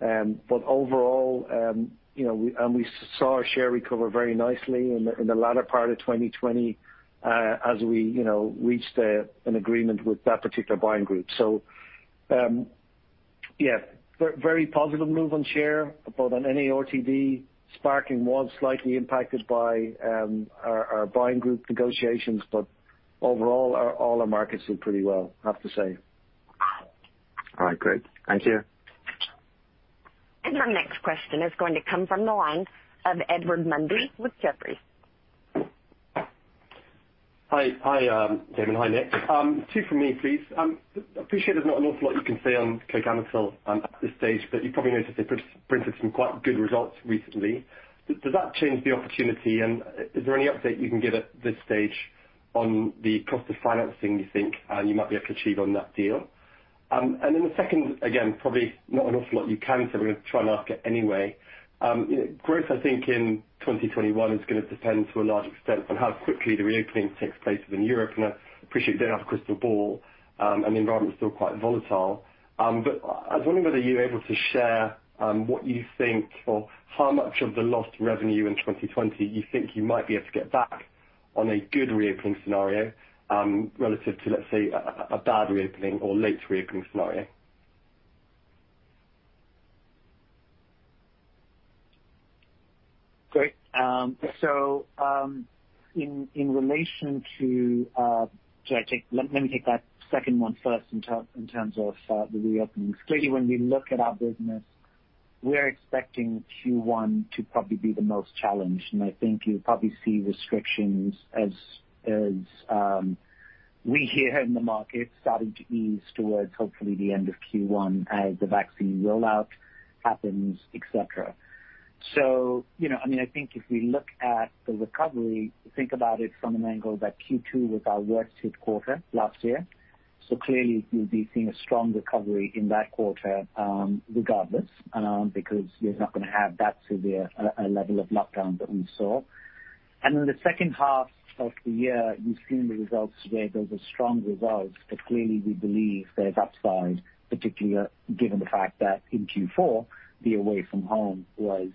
But overall, you know, and we saw our share recover very nicely in the latter part of 2020, as we reached an agreement with that particular buying group. So, yeah, very positive move on share, both on NARTD. Sparkling was slightly impacted by our buying group negotiations, but overall, all our markets did pretty well, I have to say. All right, great. Thank you. Our next question is going to come from the line of Edward Mundy with Jefferies. Hi. Hi, Damian. Hi, Nik. Two for me, please. I appreciate there's not an awful lot you can say on Coca-Cola Amatil, at this stage, but you probably noticed they printed some quite good results recently. Does that change the opportunity, and is there any update you can give at this stage on the cost of financing you think you might be able to achieve on that deal? And then the second, again, probably not an awful lot you can, so I'm going to try and ask it anyway. Growth, I think, in 2021 is going to depend to a large extent on how quickly the reopening takes place within Europe. I appreciate you don't have a crystal ball, and the environment is still quite volatile. But I was wondering whether you're able to share what you think or how much of the lost revenue in 2020 you think you might be able to get back on a good reopening scenario, relative to, let's say, a bad reopening or late reopening scenario? Great. So, in relation to... Let me take that second one first in terms of the reopenings. Clearly, when we look at our business, we're expecting Q1 to probably be the most challenged, and I think you'll probably see restrictions as we hear in the market starting to ease towards hopefully the end of Q1 as the vaccine rollout happens, et cetera. So, you know, I mean, I think if we look at the recovery, think about it from an angle that Q2 was our worst hit quarter last year. So clearly you'll be seeing a strong recovery in that quarter, regardless, because you're not going to have that severe level of lockdown that we saw. And in the second half of the year, you've seen the results where those are strong results, but clearly we believe that that side, particularly given the fact that in away-from-home was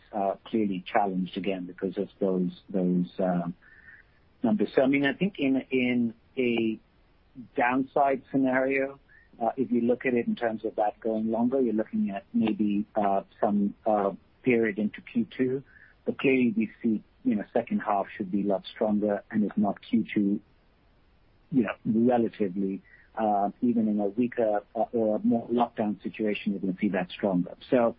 clearly challenged again because of those numbers. So, I mean, I think in a downside scenario, if you look at it in terms of that going longer, you're looking at maybe some period into Q2, but clearly we see, you know, second half should be a lot stronger, and if not Q2, you know, relatively even in a weaker or more lockdown situation, we're going to see that stronger. So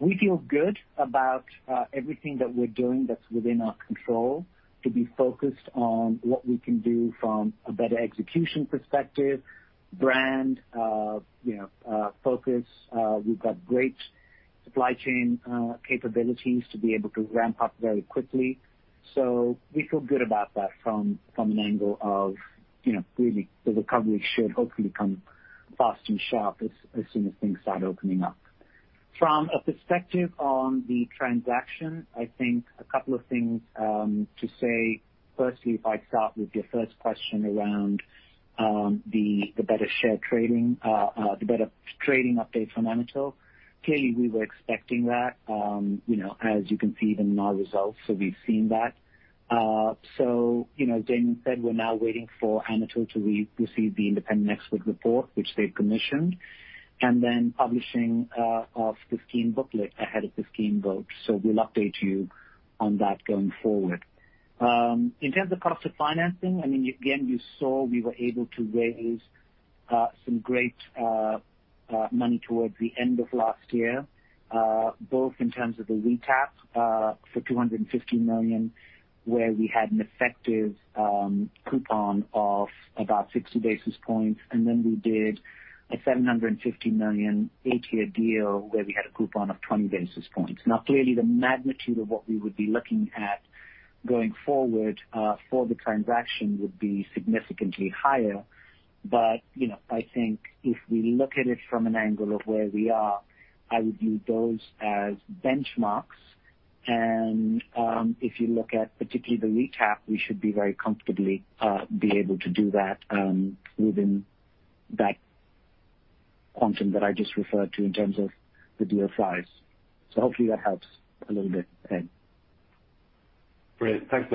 we feel good about everything that we're doing that's within our control to be focused on what we can do from a better execution perspective, brand, you know, focus. We've got great supply chain capabilities to be able to ramp up very quickly. So we feel good about that from an angle of, you know, really, the recovery should hopefully come fast and sharp as soon as things start opening up. From a perspective on the transaction, I think a couple of things to say. Firstly, if I start with your first question around the better share trading, the better trading update from Amatil. Clearly, we were expecting that, you know, as you can see them in our results. So we've seen that. So, you know, as Damian said, we're now waiting for Amatil to receive the Independent Expert Report, which they've commissioned, and then publishing of the Scheme Booklet ahead of the scheme vote. So we'll update you on that going forward. In terms of cost of financing, I mean, again, you saw we were able to raise some great money towards the end of last year, both in terms of the recap for 250 million, where we had an effective coupon of about 60 basis points. And then we did a 750 million eight-year deal where we had a coupon of 20 basis points. Now, clearly, the magnitude of what we would be looking at going forward for the transaction would be significantly higher. But, you know, I think if we look at it from an angle of where we are, I would view those as benchmarks. If you look at particularly the recap, we should be very comfortably able to do that within that quantum that I just referred to in terms of the deal size. So hopefully that helps a little bit, Ed. Great. Thanks,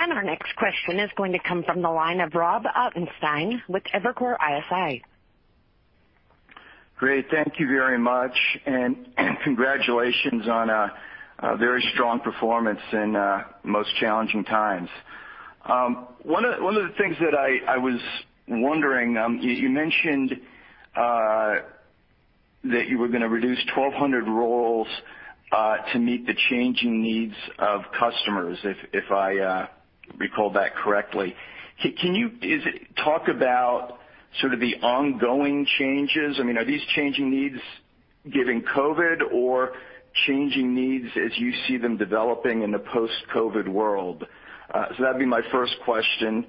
Nik. Our next question is going to come from the line of Robert Ottenstein with Evercore ISI. Great. Thank you very much, and congratulations on a very strong performance in most challenging times. One of the things that I was wondering, you mentioned that you were going to reduce 1,200 roles to meet the changing needs of customers, if I recall that correctly. Can you talk about sort of the ongoing changes? I mean, are these changing needs given COVID or changing needs as you see them developing in the post-COVID world? So that'd be my first question.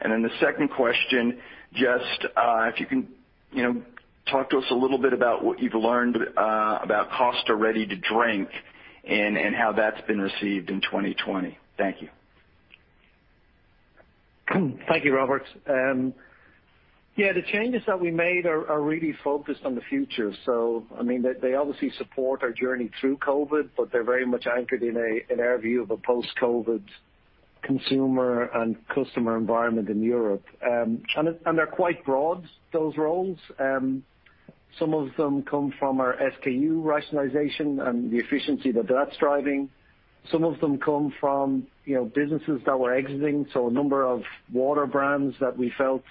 And then the second question, just if you can, you know, talk to us a little bit about what you've learned about Costa Ready-to-Drink and how that's been received in 2020. Thank you. Thank you, Robert. The changes that we made are really focused on the future. So, I mean, they obviously support our journey through COVID, but they're very much anchored in our view of a post-COVID consumer and customer environment in Europe. And they're quite broad, those roles. Some of them come from our SKU rationalization and the efficiency that that's driving. Some of them come from, you know, businesses that we're exiting, so a number of water brands that we felt,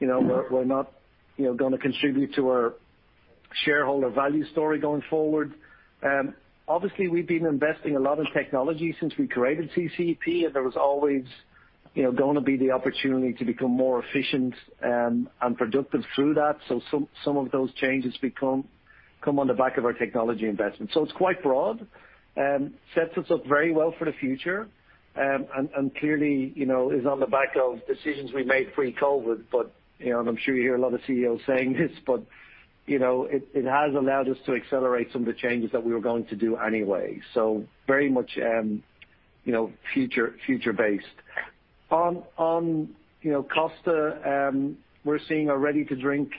you know, were not going to contribute to our shareholder value story going forward. Obviously, we've been investing a lot in technology since we created CCEP, and there was always, you know, going to be the opportunity to become more efficient and productive through that. So some of those changes become on the back of our technology investment. So it's quite broad, sets us up very well for the future, and clearly, you know, is on the back of decisions we made pre-COVID. But, you know, and I'm sure you hear a lot of CEOs saying this, but, you know, it has allowed us to accelerate some of the changes that we were going to do anyway. So very much, you know, future based. On, you know, Costa, we're seeing our Ready-to-Drink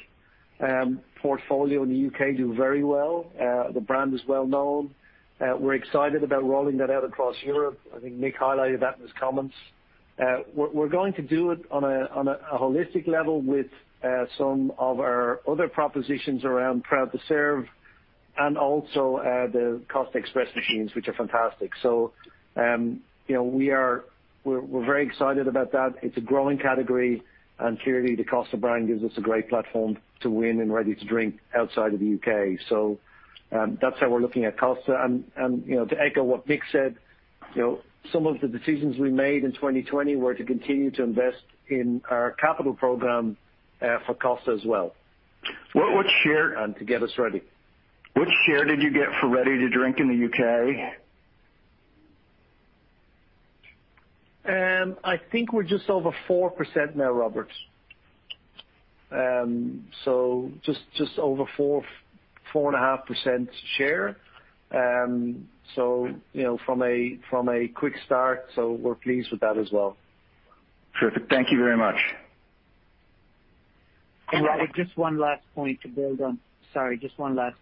portfolio in the U.K. do very well. The brand is well known. We're excited about rolling that out across Europe. I think Nik highlighted that in his comments. We're going to do it on a holistic level with some of our other propositions around Proud to Serve and also the Costa Express machines, which are fantastic. So, you know, we're very excited about that. It's a growing category, and clearly, the Costa brand gives us a great platform to win in Ready-to-Drink outside of the U.K. So, that's how we're looking at Costa. And, you know, to echo what Nik said, you know, some of the decisions we made in 2020 were to continue to invest in our capital program for Costa as well. What share- To get us ready. Which share did you get for Ready-to-Drink in the U.K.? I think we're just over 4% now, Robert. So just over 4%-4.5% share. So, you know, from a quick start, so we're pleased with that as well. Terrific. Thank you very much. Sorry, just one last point to build on the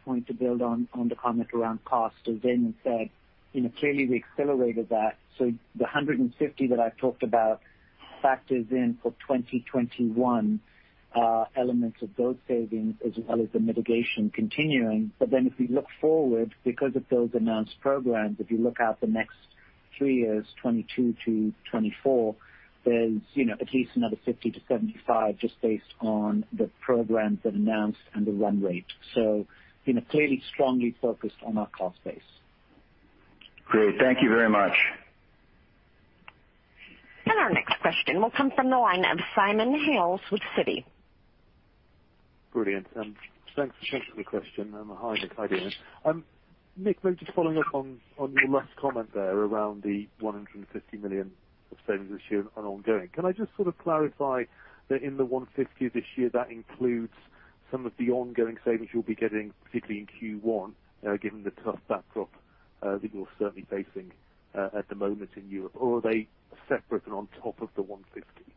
comment around Costa. As Damian said, you know, clearly we accelerated that. So the 150 that I've talked about factors in, for 2021, elements of those savings as well as the mitigation continuing. But then if we look forward, because of those announced programs, if you look out the next three years, 2022 to 2024, there's, you know, at least another 50 to 75, just based on the programs that announced and the run rate. So, you know, clearly strongly focused on our cost base. Great. Thank you very much. Our next question will come from the line of Simon Hales with Citi. Brilliant. Thanks for the question, and hi, Nik. Hi, Damian. Nik, maybe just following up on your last comment there around the one hundred and fifty million of savings this year and ongoing. Can I just sort of clarify that in the one fifty this year, that includes some of the ongoing savings you'll be getting, particularly in Q1, given the tough backdrop that you're certainly facing at the moment in Europe, or are they separate and on top of the one fifty?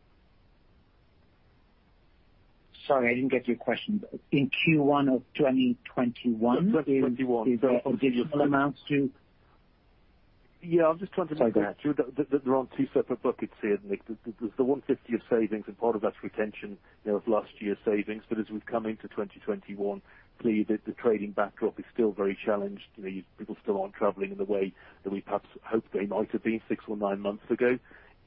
Sorry, I didn't get your question. In Q1 of 2021? 2021. amounts to? Yeah, I'm just trying to make sure that there aren't two separate buckets here, Nik. There's the 150 of savings, and part of that's retention, you know, of last year's savings. But as we've come into 2021, clearly, the trading backdrop is still very challenged. You know, people still aren't traveling in the way that we perhaps hoped they might have been six or nine months ago.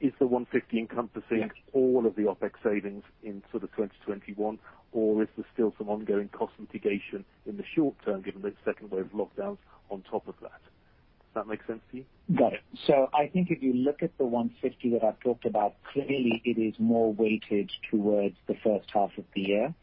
Is the 150 encompassing all of the OpEx savings in sort of 2021, or is there still some ongoing cost mitigation in the short term, given the second wave of lockdowns on top of that? Does that make sense to you? Got it. So I think if you look at the €150 that I've talked about, clearly it is more weighted towards the first half of the year.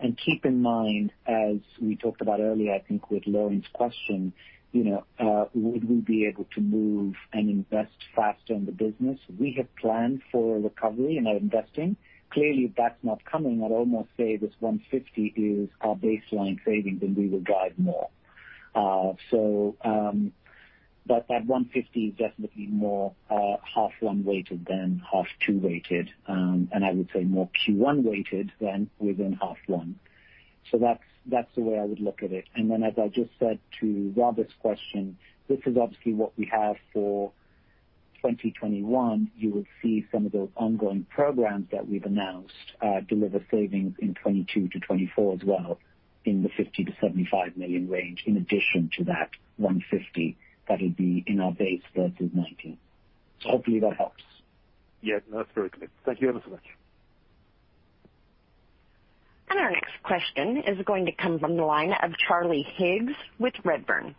And keep in mind, as we talked about earlier, I think with Lauren's question, you know, would we be able to move and invest faster in the business? We have planned for a recovery and are investing. Clearly, that's not coming. I'd almost say this 150 is our baseline savings, and we will guide more. But that 150 is definitely more half one weighted than half two weighted, and I would say more Q1 weighted than within half one. So that's the way I would look at it. And then, as I just said to Robert's question, this is obviously what we have for-... 2021, you will see some of those ongoing programs that we've announced deliver savings in 2022 to 2024 as well, in the 50 million-75 million range, in addition to that 150, that'll be in our base versus 2019. So hopefully that helps. Yeah, that's very clear. Thank you ever so much. Our next question is going to come from the line of Charlie Higgs with Redburn.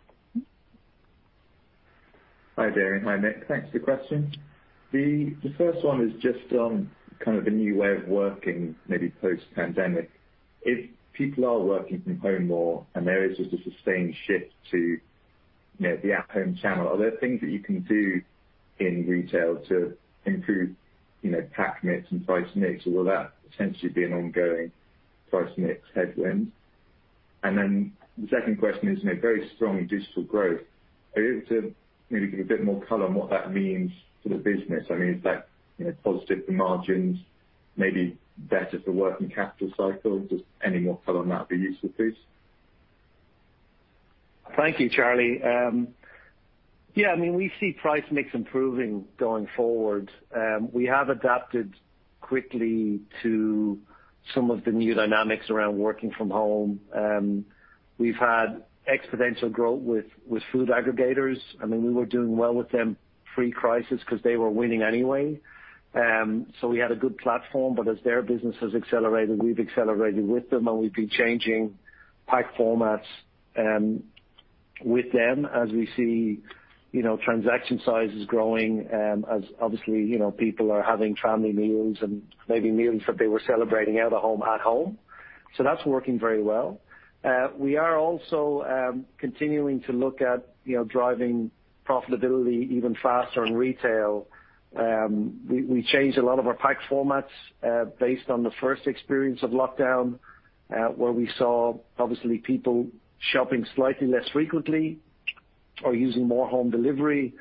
Hi, Damian. Hi, Nik. Thanks for the question. The first one is just on kind of a new way of working, maybe post-pandemic. If people are working from home more, and there is just a sustained shift to, you know, the at-home channel, are there things that you can do in retail to improve, you know, pack mix and price mix? Or will that essentially be an ongoing price mix headwind? And then the second question is, you know, very strong digital growth. Are you able to maybe give a bit more color on what that means for the business? I mean, is that, you know, positive for margins, maybe better for working capital cycle? Just any more color on that would be useful, please. Thank you, Charlie. Yeah, I mean, we see price mix improving going forward. We have adapted quickly to some of the new dynamics around working from home. We've had exponential growth with food aggregators. I mean, we were doing well with them pre-crisis because they were winning anyway. So we had a good platform, but as their business has accelerated, we've accelerated with them, and we've been changing pack formats with them as we see, you know, transaction sizes growing, as obviously, you know, people are having family meals and maybe meals that they were celebrating out of home, at home. So that's working very well. We are also continuing to look at, you know, driving profitability even faster in retail. We changed a lot of our pack formats based on the first experience of lockdown, where we saw obviously people shopping slightly less frequently or using more home delivery,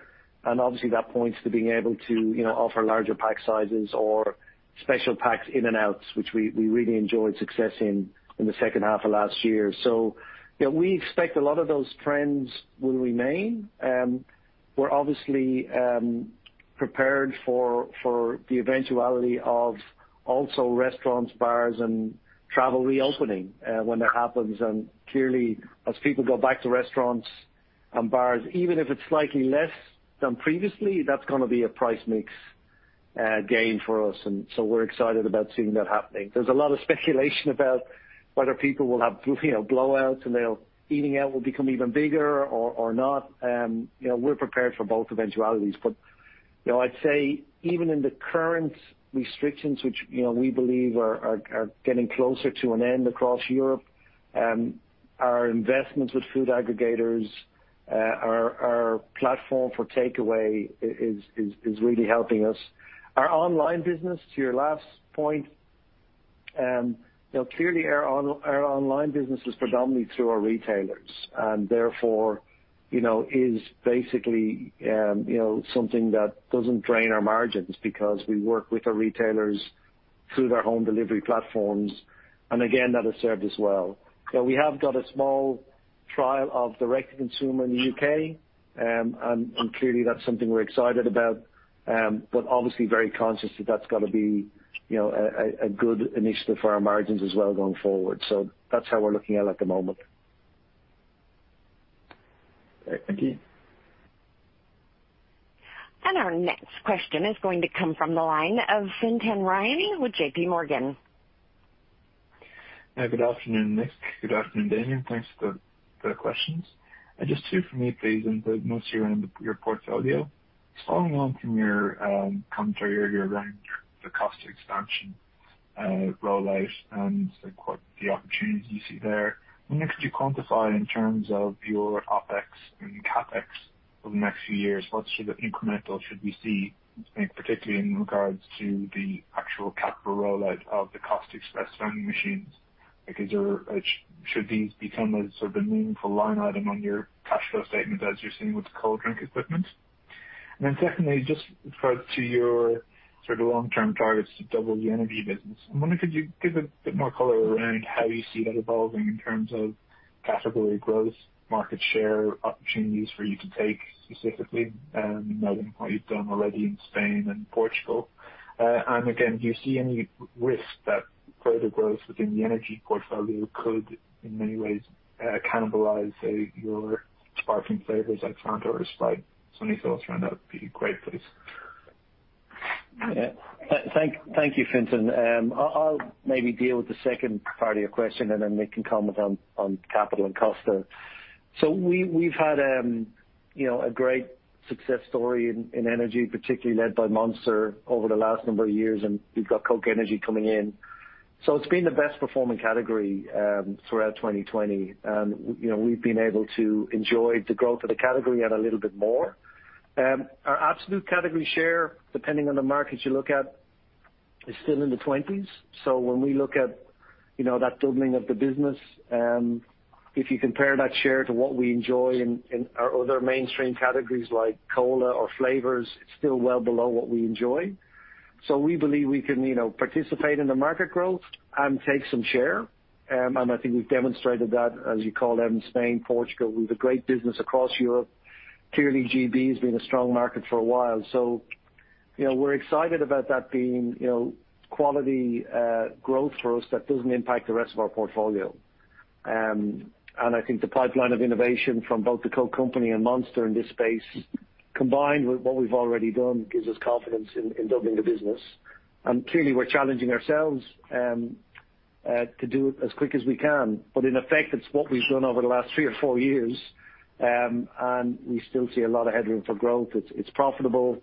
and obviously that points to being able to, you know, offer larger pack sizes or special packs in and outs, which we really enjoyed success in in the second half of last year, so yeah we expect a lot of those trends will remain. We're obviously prepared for the eventuality of also restaurants, bars, and travel reopening when that happens, and clearly as people go back to restaurants and bars, even if it's slightly less than previously, that's gonna be a price mix gain for us, and so we're excited about seeing that happening. There's a lot of speculation about whether people will have, you know, blowouts, and their eating out will become even bigger or not. You know, we're prepared for both eventualities, but you know, I'd say, even in the current restrictions, which, you know, we believe are getting closer to an end across Europe, our investments with food aggregators, our platform for takeaway is really helping us. Our online business, to your last point, you know, clearly, our online business is predominantly through our retailers, and therefore, you know, is basically something that doesn't drain our margins because we work with our retailers through their home delivery platforms, and again, that has served us well. So we have got a small trial of Direct-to-Consumer in the U.K., and clearly, that's something we're excited about, but obviously very conscious that that's got to be, you know, a good initiative for our margins as well going forward. So that's how we're looking at it at the moment. Thank you. Our next question is going to come from the line of Fintan Ryan with JP Morgan. Good afternoon, Nik. Good afternoon, Damian. Thanks for the questions. Just two for me, please, and they're mostly around your portfolio. Following on from your commentary earlier around the Costa expansion, rollout, and the opportunities you see there. I wonder, could you quantify in terms of your OpEx and CapEx over the next few years, what sort of incremental should we see, particularly in regards to the actual capital rollout of the Costa Express vending machines? Because... Should these become a sort of a meaningful line item on your cash flow statement as you're seeing with the cold drink equipment? And then secondly, just refer to your sort of long-term targets to double the energy business. I wonder, could you give a bit more color around how you see that evolving in terms of category growth, market share, opportunities for you to take, specifically, knowing what you've done already in Spain and Portugal? And again, do you see any risk that further growth within the energy portfolio could, in many ways, cannibalize, say, your sparkling flavors like Fanta or Sprite? So any thoughts around that would be great, please. Yeah. Thank you, Fintan. I'll maybe deal with the second part of your question, and then Nik can comment on capital and Costa. We've had you know, a great success story in energy, particularly led by Monster over the last number of years, and we've got Coke Energy coming in. It's been the best performing category throughout 2020. And you know, we've been able to enjoy the growth of the category a little bit more. Our absolute category share, depending on the market you look at, is still in the twenties. When we look at you know, that doubling of the business, if you compare that share to what we enjoy in our other mainstream categories like cola or flavors, it's still well below what we enjoy. So we believe we can, you know, participate in the market growth and take some share. And I think we've demonstrated that, as you call them, Spain, Portugal, we have a great business across Europe. Clearly, GB has been a strong market for a while. So, you know, we're excited about that being, you know, quality growth for us that doesn't impact the rest of our portfolio. And I think the pipeline of innovation from both The Coca-Cola Company and Monster in this space, combined with what we've already done, gives us confidence in doubling the business. And clearly, we're challenging ourselves to do it as quick as we can. But in effect, it's what we've done over the last three or four years, and we still see a lot of headroom for growth. It's profitable.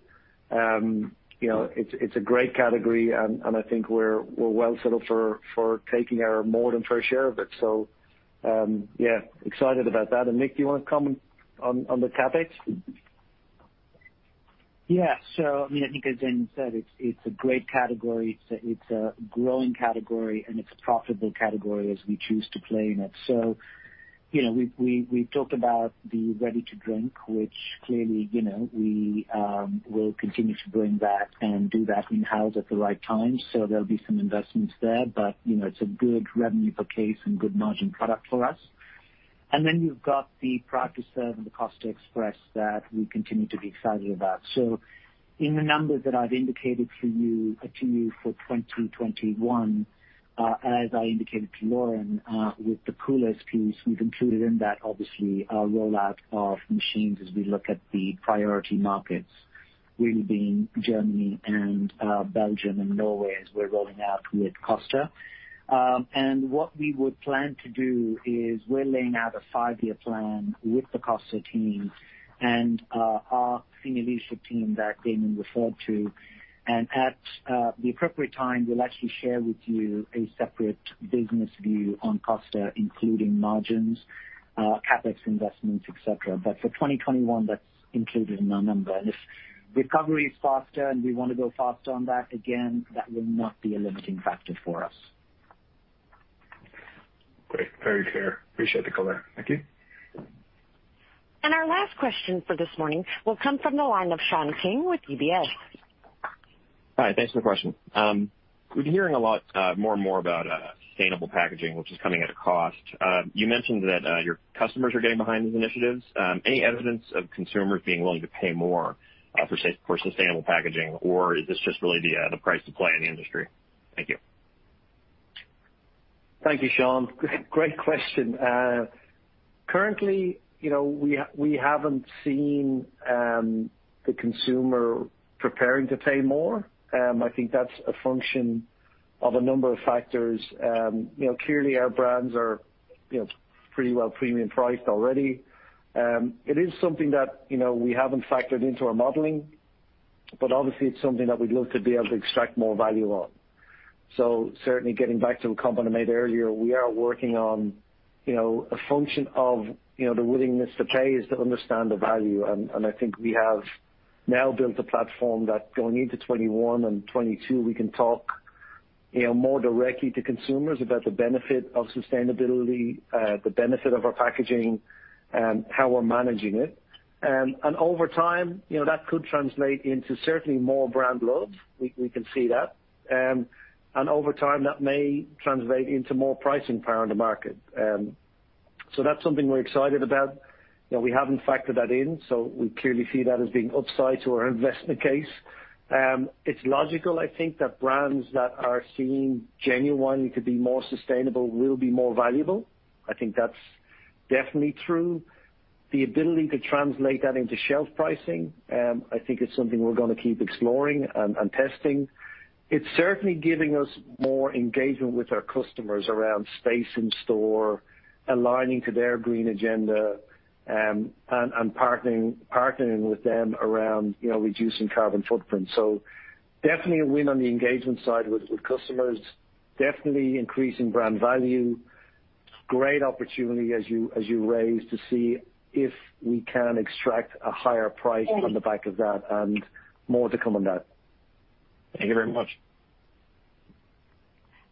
You know, it's a great category, and I think we're well settled for taking our more than fair share of it. So, yeah, excited about that. And, Nik, do you want to comment on the CapEx? Yeah. So, I mean, I think as Damian said, it's a great category, it's a growing category, and it's a profitable category as we choose to play in it. So, you know, we've talked about the Ready-to-Drink, which clearly, you know, we will continue to bring back and do that in-house at the right time. So there'll be some investments there. But, you know, it's a good revenue per case and good margin product for us. And then you've got the Proud to Serve and the Costa Express that we continue to be excited about. So in the numbers that I've indicated for you for 2021, as I indicated to Lauren, with the Costa piece, we've included in that, obviously, our rollout of machines as we look at the priority markets, really being Germany and Belgium and Norway, as we're rolling out with Costa. What we would plan to do is we're laying out a five-year plan with the Costa team and our senior leadership team that Damian referred to. At the appropriate time, we'll actually share with you a separate business view on Costa, including margins, CapEx investments, et cetera. But for 2021, that's included in our number. If recovery is faster and we want to go faster on that, again, that will not be a limiting factor for us. Great, very clear. Appreciate the color. Thank you. Our last question for this morning will come from the line of Sean King with UBS. Hi, thanks for the question. We've been hearing a lot, more and more about, sustainable packaging, which is coming at a cost. You mentioned that, your customers are getting behind these initiatives. Any evidence of consumers being willing to pay more, for sustainable packaging, or is this just really the, the price to play in the industry? Thank you. Thank you, Sean. Great question. Currently, you know, we haven't seen the consumer preparing to pay more. I think that's a function of a number of factors. You know, clearly, our brands are, you know, pretty well premium priced already. It is something that, you know, we haven't factored into our modeling, but obviously, it's something that we'd love to be able to extract more value on. So certainly getting back to a comment I made earlier, we are working on, you know, a function of, you know, the willingness to pay is to understand the value. And I think we have now built a platform that going into 2021 and 2022, we can talk, you know, more directly to consumers about the benefit of sustainability, the benefit of our packaging, and how we're managing it. And over time, you know, that could translate into certainly more brand love. We can see that. And over time, that may translate into more pricing power in the market. So that's something we're excited about. You know, we haven't factored that in, so we clearly see that as being upside to our investment case. It's logical, I think, that brands that are seen genuinely to be more sustainable will be more valuable. I think that's definitely true. The ability to translate that into shelf pricing, I think, is something we're going to keep exploring and testing. It's certainly giving us more engagement with our customers around space in store, aligning to their green agenda, and partnering with them around, you know, reducing carbon footprint. So definitely a win on the engagement side with customers, definitely increasing brand value. Great opportunity as you raise to see if we can extract a higher price on the back of that, and more to come on that. Thank you very much.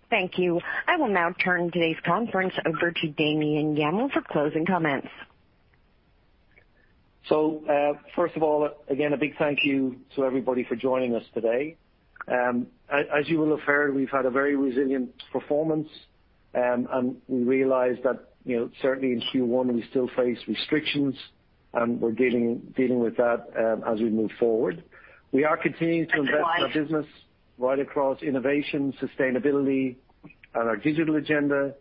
Thank you. I will now turn today's conference over to Damian Gammell for closing comments. So, first of all, again, a big thank you to everybody for joining us today. As you will have heard, we've had a very resilient performance, and we realize that, you know, certainly in Q1, we still face restrictions, and we're dealing with that, as we move forward. We are continuing to invest in our business right across innovation, sustainability, and our digital agenda.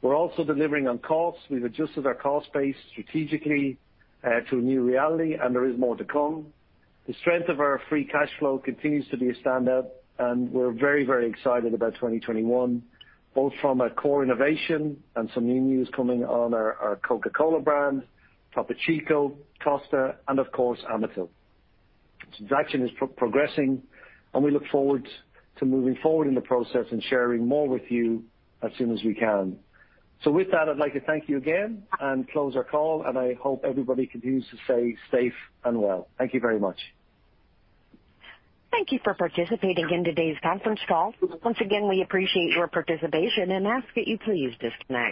We're also delivering on costs. We've adjusted our cost base strategically, to a new reality, and there is more to come. The strength of our free cash flow continues to be a standout, and we're very, very excited about 2021, both from a core innovation and some new news coming on our Coca-Cola brand, Topo Chico, Costa, and of course, Amatil. This action is progressing, and we look forward to moving forward in the process and sharing more with you as soon as we can. So with that, I'd like to thank you again and close our call, and I hope everybody continues to stay safe and well. Thank you very much. Thank you for participating in today's conference call. Once again, we appreciate your participation and ask that you please disconnect.